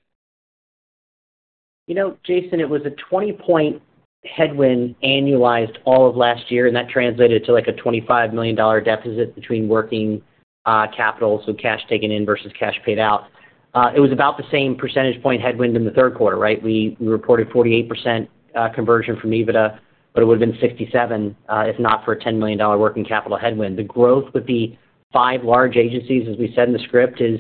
Jason, it was a 20-point headwind annualized all of last year, and that translated to a $25 million deficit between working capital, so cash taken in versus cash paid out. It was about the same percentage point headwind in the third quarter, right? We reported 48% conversion from EBITDA, but it would have been 67% if not for a $10 million working capital headwind. The growth with the five large agencies, as we said in the script, is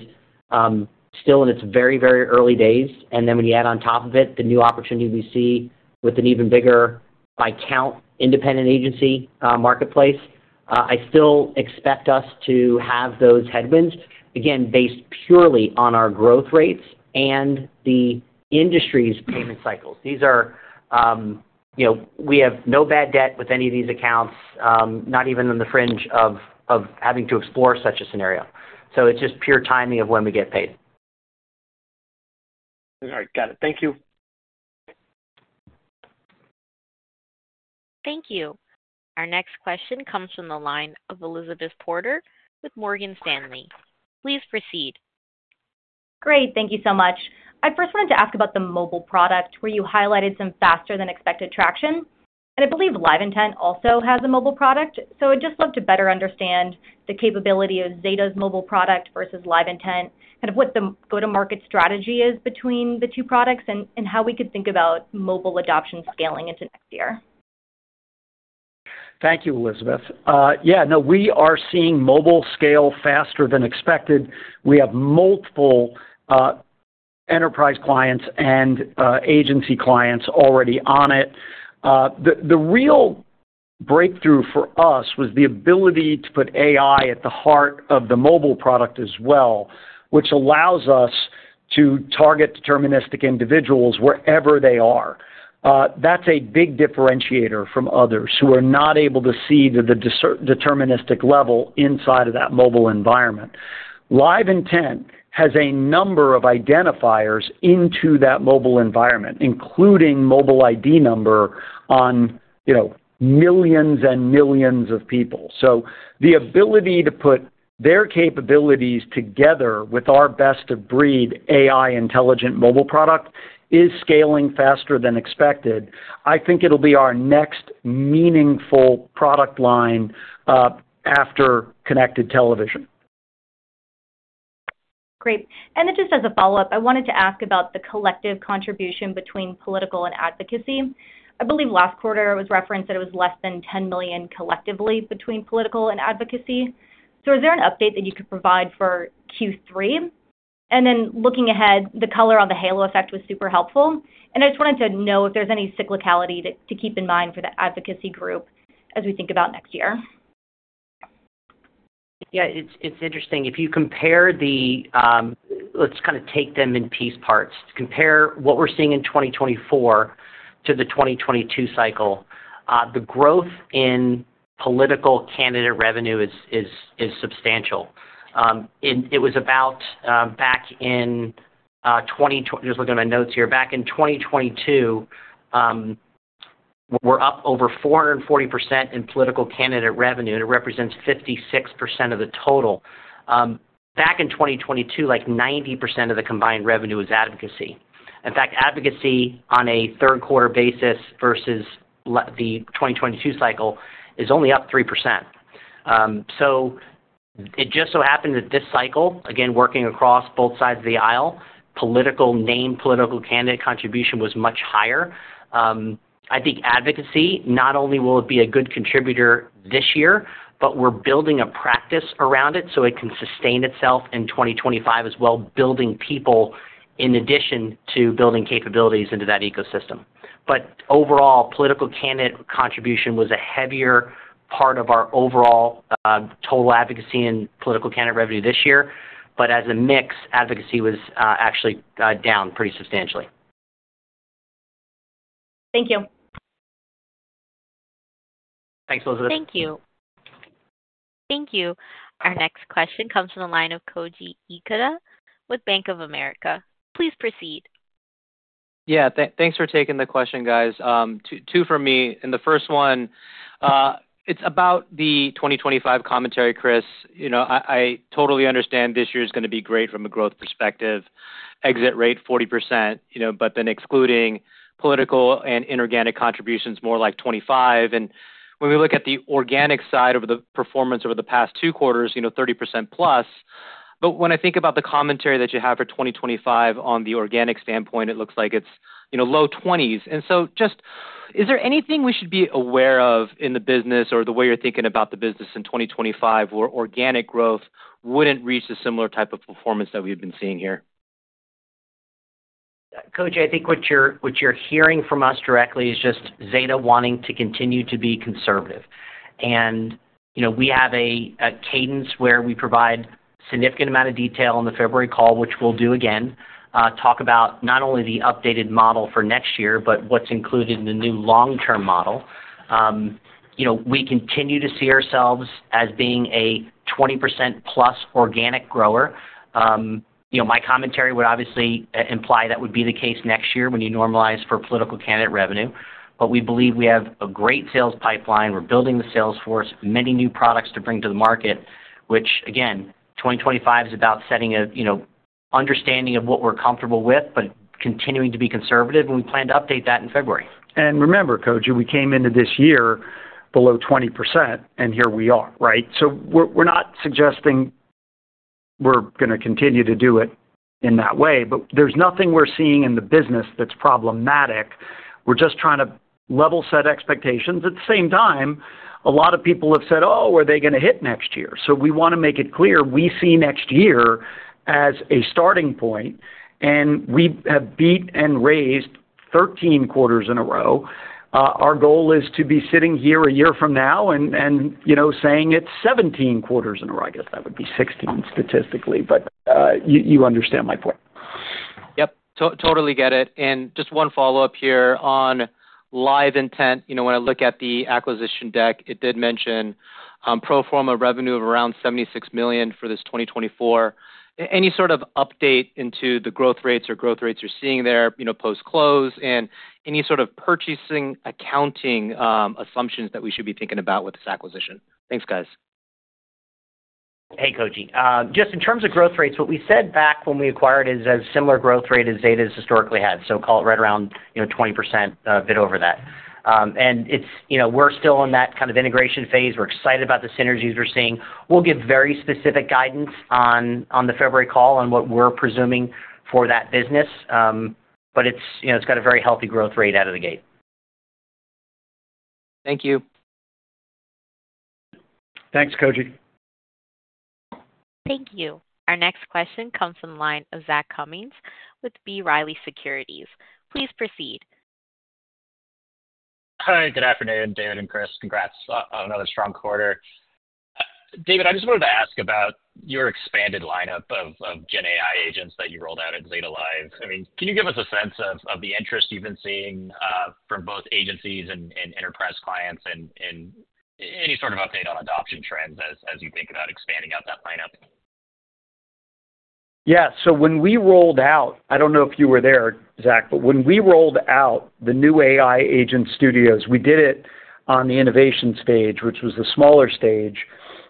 still in its very, very early days. And then when you add on top of it the new opportunity we see with an even bigger by count independent agency marketplace, I still expect us to have those headwinds, again, based purely on our growth rates and the industry's payment cycles. These, we have no bad debt with any of these accounts, not even on the fringe of having to explore such a scenario. So it's just pure timing of when we get paid. All right. Got it. Thank you. Thank you. Our next question comes from the line of Elizabeth Porter with Morgan Stanley. Please proceed. Great. Thank you so much. I first wanted to ask about the mobile product where you highlighted some faster-than-expected traction. And I believe LiveIntent also has a mobile product. So I'd just love to better understand the capability of Zeta's mobile product versus LiveIntent, kind of what the go-to-market strategy is between the two products, and how we could think about mobile adoption scaling into next year. Thank you, Elizabeth. Yeah. No, we are seeing mobile scale faster than expected. We have multiple enterprise clients and agency clients already on it. The real breakthrough for us was the ability to put AI at the heart of the mobile product as well, which allows us to target deterministic individuals wherever they are. That's a big differentiator from others who are not able to see the deterministic level inside of that mobile environment. LiveIntent has a number of identifiers into that mobile environment, including mobile ID number on millions and millions of people, so the ability to put their capabilities together with our best-of-breed AI intelligent mobile product is scaling faster than expected. I think it'll be our next meaningful product line after connected television. Great, and then just as a follow-up, I wanted to ask about the collective contribution between political and advocacy. I believe last quarter, it was referenced that it was less than $10 million collectively between political and advocacy. So is there an update that you could provide for Q3? And then looking ahead, the color on the halo effect was super helpful, and I just wanted to know if there's any cyclicality to keep in mind for the advocacy group as we think about next year. Yeah, it's interesting. If you compare, let's kind of take them in piece parts. Compare what we're seeing in 2024 to the 2022 cycle. The growth in political candidate revenue is substantial. Just looking at my notes here, back in 2022, we're up over 440% in political candidate revenue, and it represents 56% of the total. Back in 2022, 90% of the combined revenue was advocacy. In fact, advocacy on a third-quarter basis versus the 2022 cycle is only up 3%, so it just so happens that this cycle, again, working across both sides of the aisle, political, namely political candidate, contribution was much higher. I think advocacy, not only will it be a good contributor this year, but we're building a practice around it so it can sustain itself in 2025 as well, building people in addition to building capabilities into that ecosystem. But overall, political candidate contribution was a heavier part of our overall total advocacy and political candidate revenue this year. But as a mix, advocacy was actually down pretty substantially. Thank you. Thanks, Elizabeth. Thank you. Thank you. Our next question comes from the line of Koji Ikeda with Bank of America. Please proceed. Yeah. Thanks for taking the question, guys. Two for me. And the first one, it's about the 2025 commentary, Chris. I totally understand this year is going to be great from a growth perspective. Exit rate 40%, but then excluding political and inorganic contributions, more like 25%. And when we look at the organic side of the performance over the past two quarters, 30%+. But when I think about the commentary that you have for 2025 on the organic standpoint, it looks like it's low 20s%. And so just, is there anything we should be aware of in the business or the way you're thinking about the business in 2025 where organic growth wouldn't reach a similar type of performance that we've been seeing here? Koji, I think what you're hearing from us directly is just Zeta wanting to continue to be conservative. And we have a cadence where we provide a significant amount of detail in the February call, which we'll do again, talk about not only the updated model for next year, but what's included in the new long-term model. We continue to see ourselves as being a 20%+ organic grower. My commentary would obviously imply that would be the case next year when you normalize for political candidate revenue. But we believe we have a great sales pipeline. We're building the sales force, many new products to bring to the market, which, again, 2025 is about setting an understanding of what we're comfortable with, but continuing to be conservative. And we plan to update that in February. And remember, Koji, we came into this year below 20%, and here we are, right? So we're not suggesting we're going to continue to do it in that way. But there's nothing we're seeing in the business that's problematic. We're just trying to level set expectations. At the same time, a lot of people have said, "Oh, are they going to hit next year?" So we want to make it clear. We see next year as a starting point. And we have beat and raised 13 quarters in a row. Our goal is to be sitting here a year from now and saying it's 17 quarters in a row. I guess that would be 16 statistically, but you understand my point. Yep. Totally get it, and just one follow-up here on LiveIntent. When I look at the acquisition deck, it did mention pro forma revenue of around $76 million for this 2024. Any sort of update into the growth rates or growth rates you're seeing there post-close and any sort of purchase accounting assumptions that we should be thinking about with this acquisition? Thanks, guys. Hey, Koji. Just in terms of growth rates, what we said back when we acquired is a similar growth rate as Zeta has historically had. So call it right around 20%, a bit over that, and we're still in that kind of integration phase. We're excited about the synergies we're seeing. We'll give very specific guidance on the February call and what we're presuming for that business. But it's got a very healthy growth rate out of the gate. Thank you. Thanks, Koji. Thank you. Our next question comes from the line of Zach Cummins with B. Riley Securities. Please proceed. Hi. Good afternoon, David and Chris. Congrats on another strong quarter. David, I just wanted to ask about your expanded lineup of Gen AI agents that you rolled out at Zeta Live. I mean, can you give us a sense of the interest you've been seeing from both agencies and enterprise clients and any sort of update on adoption trends as you think about expanding out that lineup? Yeah, so when we rolled out, I don't know if you were there, Zach, but when we rolled out the new AI Agent Studios, we did it on the Innovation Stage, which was the smaller stage.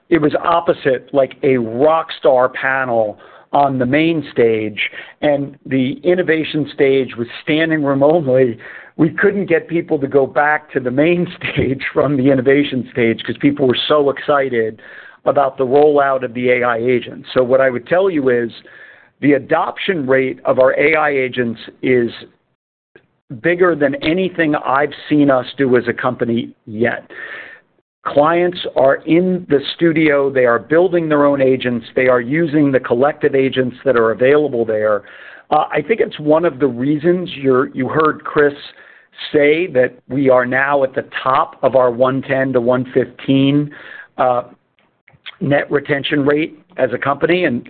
It was opposite, like a rock star panel on the Main Stage. And the Innovation Stage was standing room only. We couldn't get people to go back to the Main Stage from the Innovation Stage because people were so excited about the rollout of the AI agents. So what I would tell you is the adoption rate of our AI agents is bigger than anything I've seen us do as a company yet. Clients are in the studio. They are building their own agents. They are using the collective agents that are available there. I think it's one of the reasons you heard Chris say that we are now at the top of our 110%-115% net retention rate as a company and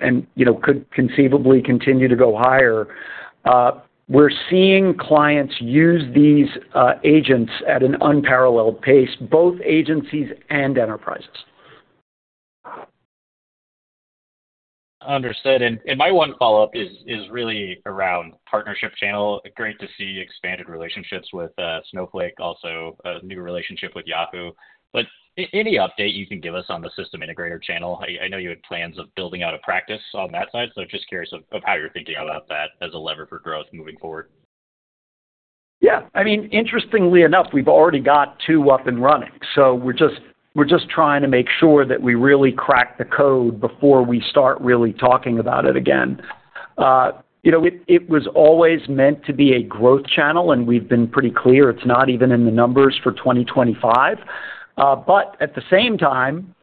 could conceivably continue to go higher. We're seeing clients use these agents at an unparalleled pace, both agencies and enterprises. Understood. And my one follow-up is really around partnership channel. Great to see expanded relationships with Snowflake, also a new relationship with Yahoo. But any update you can give us on the system integrator channel? I know you had plans of building out a practice on that side. So just curious of how you're thinking about that as a lever for growth moving forward. Yeah. I mean, interestingly enough, we've already got two up and running. So we're just trying to make sure that we really crack the code before we start really talking about it again. It was always meant to be a growth channel, and we've been pretty clear it's not even in the numbers for 2025. But at the same time,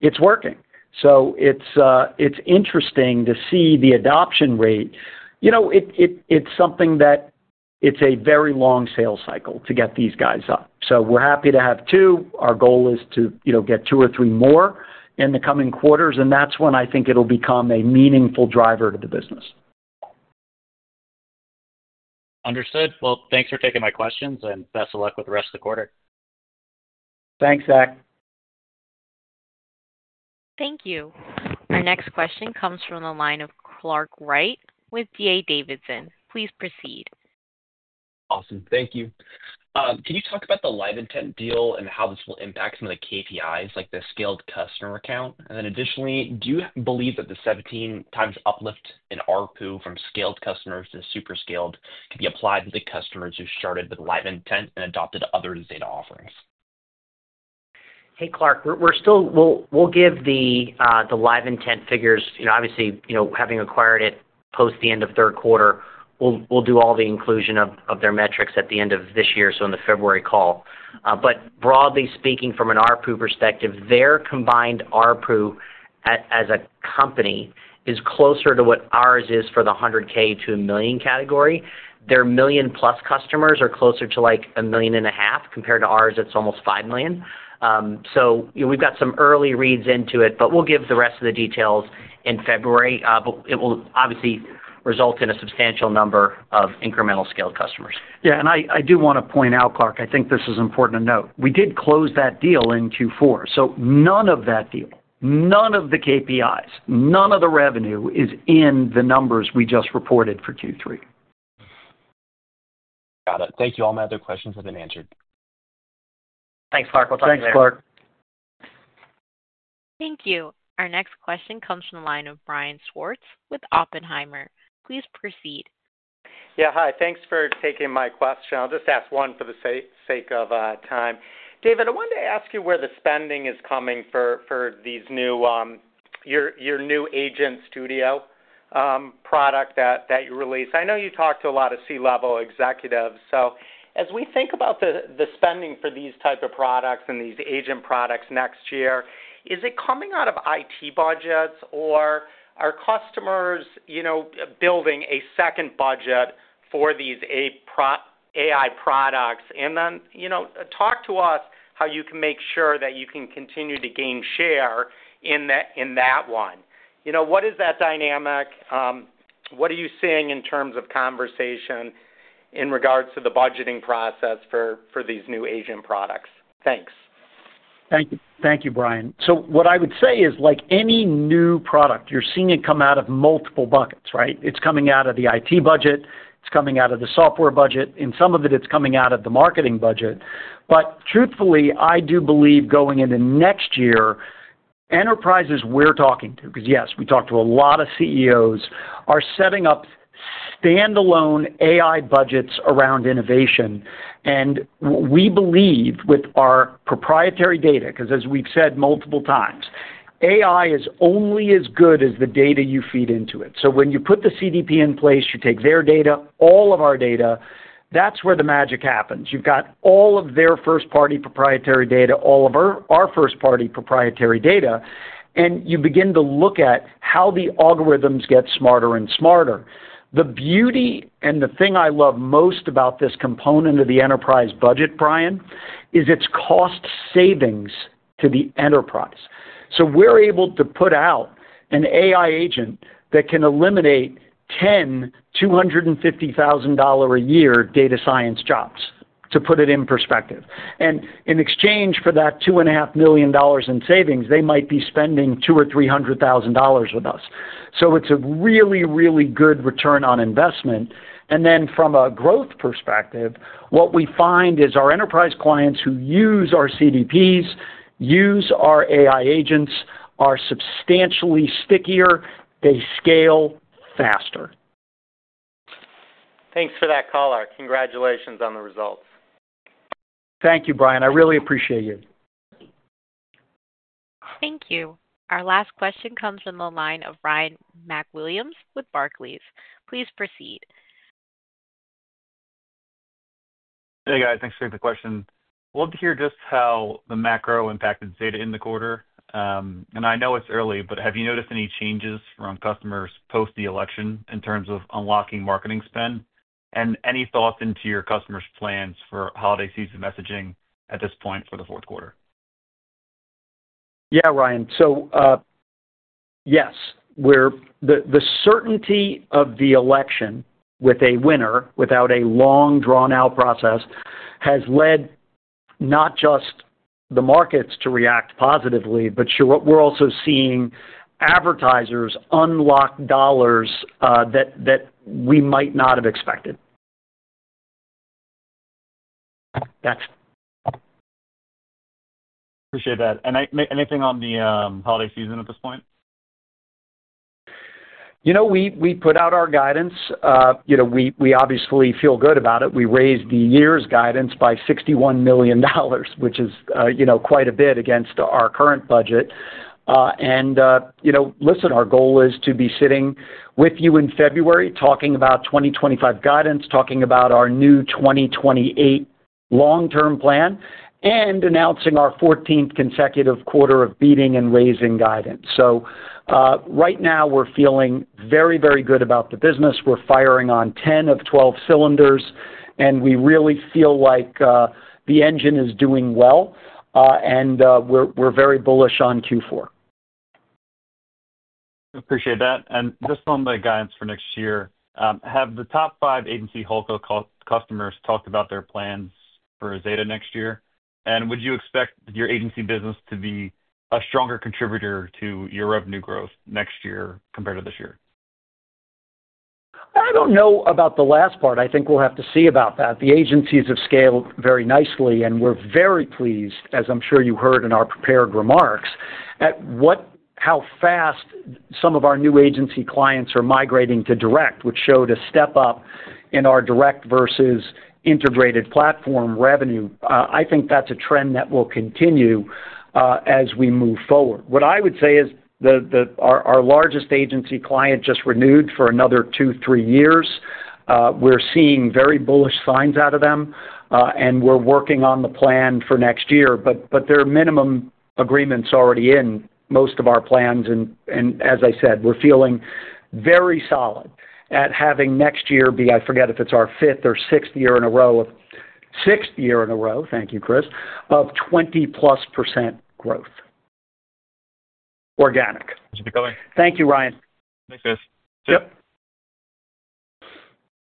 it's working. So it's interesting to see the adoption rate. It's something that a very long sales cycle to get these guys up. So we're happy to have two. Our goal is to get two or three more in the coming quarters. And that's when I think it'll become a meaningful driver to the business. Understood. Well, thanks for taking my questions, and best of luck with the rest of the quarter. Thanks, Zach. Thank you. Our next question comes from the line of Clark Wright with D.A. Davidson. Please proceed. Awesome. Thank you. Can you talk about the LiveIntent deal and how this will impact some of the KPIs, like the Scaled Customer account? And then additionally, do you believe that the 17 times uplift in ARPU from Scaled Customers to Super Scaled can be applied to the customers who started with LiveIntent and adopted other Zeta offerings? Hey, Clark, we'll give the LiveIntent figures. Obviously, having acquired it post the end of third quarter, we'll do all the inclusion of their metrics at the end of this year, so in the February call but broadly speaking, from an ARPU perspective, their combined ARPU as a company is closer to what ours is for the $100K-$1 million category. Their million-plus customers are closer to like $1.5 million compared to ours. It's almost $5 million so we've got some early reads into it, but we'll give the rest of the details in February but it will obviously result in a substantial number of incremental Scaled Customers. Yeah and I do want to point out, Clark, I think this is important to note. We did close that deal in Q4 so none of that deal, none of the KPIs, none of the revenue is in the numbers we just reported for Q3. Got it. Thank you. All my other questions have been answered. Thanks, Clark. We'll talk soon. Thanks, Clark. Thank you. Our next question comes from the line of Brian Schwartz with Oppenheimer. Please proceed. Yeah. Hi. Thanks for taking my question. I'll just ask one for the sake of time. David, I wanted to ask you where the spending is coming for your new AI Agent Studios product that you released. I know you talked to a lot of C-level executives. So as we think about the spending for these types of products and these agent products next year, is it coming out of IT budgets, or are customers building a second budget for these AI products? And then talk to us how you can make sure that you can continue to gain share in that one. What is that dynamic? What are you seeing in terms of conversation in regards to the budgeting process for these new agent products? Thanks. Thank you. Thank you, Brian. So what I would say is, like any new product, you're seeing it come out of multiple buckets, right? It's coming out of the IT budget. It's coming out of the software budget. In some of it, it's coming out of the marketing budget. But truthfully, I do believe going into next year, enterprises we're talking to, because yes, we talked to a lot of CEOs, are setting up standalone AI budgets around innovation. And we believe with our proprietary data, because as we've said multiple times, AI is only as good as the data you feed into it. So when you put the CDP in place, you take their data, all of our data, that's where the magic happens. You've got all of their first-party proprietary data, all of our first-party proprietary data, and you begin to look at how the algorithms get smarter and smarter. The beauty and the thing I love most about this component of the enterprise budget, Brian, is it's cost savings to the enterprise. So we're able to put out an AI agent that can eliminate 10 $250,000-a-year data science jobs, to put it in perspective. And in exchange for that $2.5 million in savings, they might be spending two or $300,000 with us. So it's a really, really good return on investment. And then from a growth perspective, what we find is our enterprise clients who use our CDPs, use our AI agents, are substantially stickier. They scale faster. Thanks for that call. Congratulations on the results. Thank you, Brian. I really appreciate you. Thank you. Our last question comes from the line of Ryan MacWilliams with Barclays. Please proceed. Hey, guys. Thanks for the question. Love to hear just how the macro impacted Zeta in the quarter. And I know it's early, but have you noticed any changes from customers post the election in terms of unlocking marketing spend? And any thoughts into your customers' plans for holiday season messaging at this point for the fourth quarter? Yeah, Ryan. So yes, the certainty of the election with a winner, without a long drawn-out process, has led not just the markets to react positively, but we're also seeing advertisers unlock dollars that we might not have expected. That's it. Appreciate that. And anything on the holiday season at this point? We put out our guidance. We obviously feel good about it. We raised the year's guidance by $61 million, which is quite a bit against our current budget, and listen, our goal is to be sitting with you in February talking about 2025 guidance, talking about our new 2028 long-term plan, and announcing our 14th consecutive quarter of beating and raising guidance, so right now, we're feeling very, very good about the business. We're firing on 10 of 12 cylinders, and we really feel like the engine is doing well, and we're very bullish on Q4. Appreciate that, and just on the guidance for next year, have the top five agency holdco customers talked about their plans for Zeta next year, and would you expect your agency business to be a stronger contributor to your revenue growth next year compared to this year? I don't know about the last part. I think we'll have to see about that. The agencies have scaled very nicely, and we're very pleased, as I'm sure you heard in our prepared remarks, at how fast some of our new agency clients are migrating to direct, which showed a step up in our direct versus integrated platform revenue. I think that's a trend that will continue as we move forward. What I would say is our largest agency client just renewed for another two, three years. We're seeing very bullish signs out of them, and we're working on the plan for next year. But their minimum agreement's already in most of our plans. And as I said, we're feeling very solid at having next year be, I forget if it's our fifth or sixth year in a row, sixth year in a row, thank you, Chris, of 20+% growth. Organic. Thank you, Ryan. Thanks, Chris. Yep.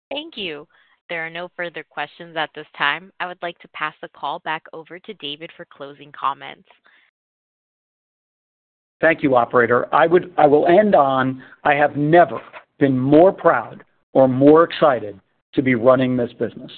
Thank you. There are no further questions at this time. I would like to pass the call back over to David for closing comments. Thank you, Operator. I will end on, "I have never been more proud or more excited to be running this business.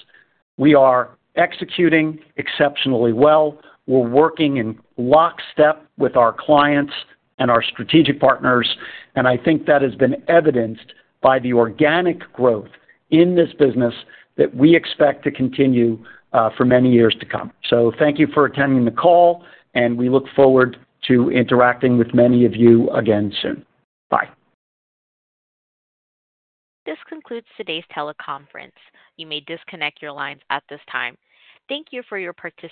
We are executing exceptionally well. We're working in lockstep with our clients and our strategic partners." And I think that has been evidenced by the organic growth in this business that we expect to continue for many years to come. So thank you for attending the call, and we look forward to interacting with many of you again soon. Bye. This concludes today's teleconference. You may disconnect your lines at this time. Thank you for your participation.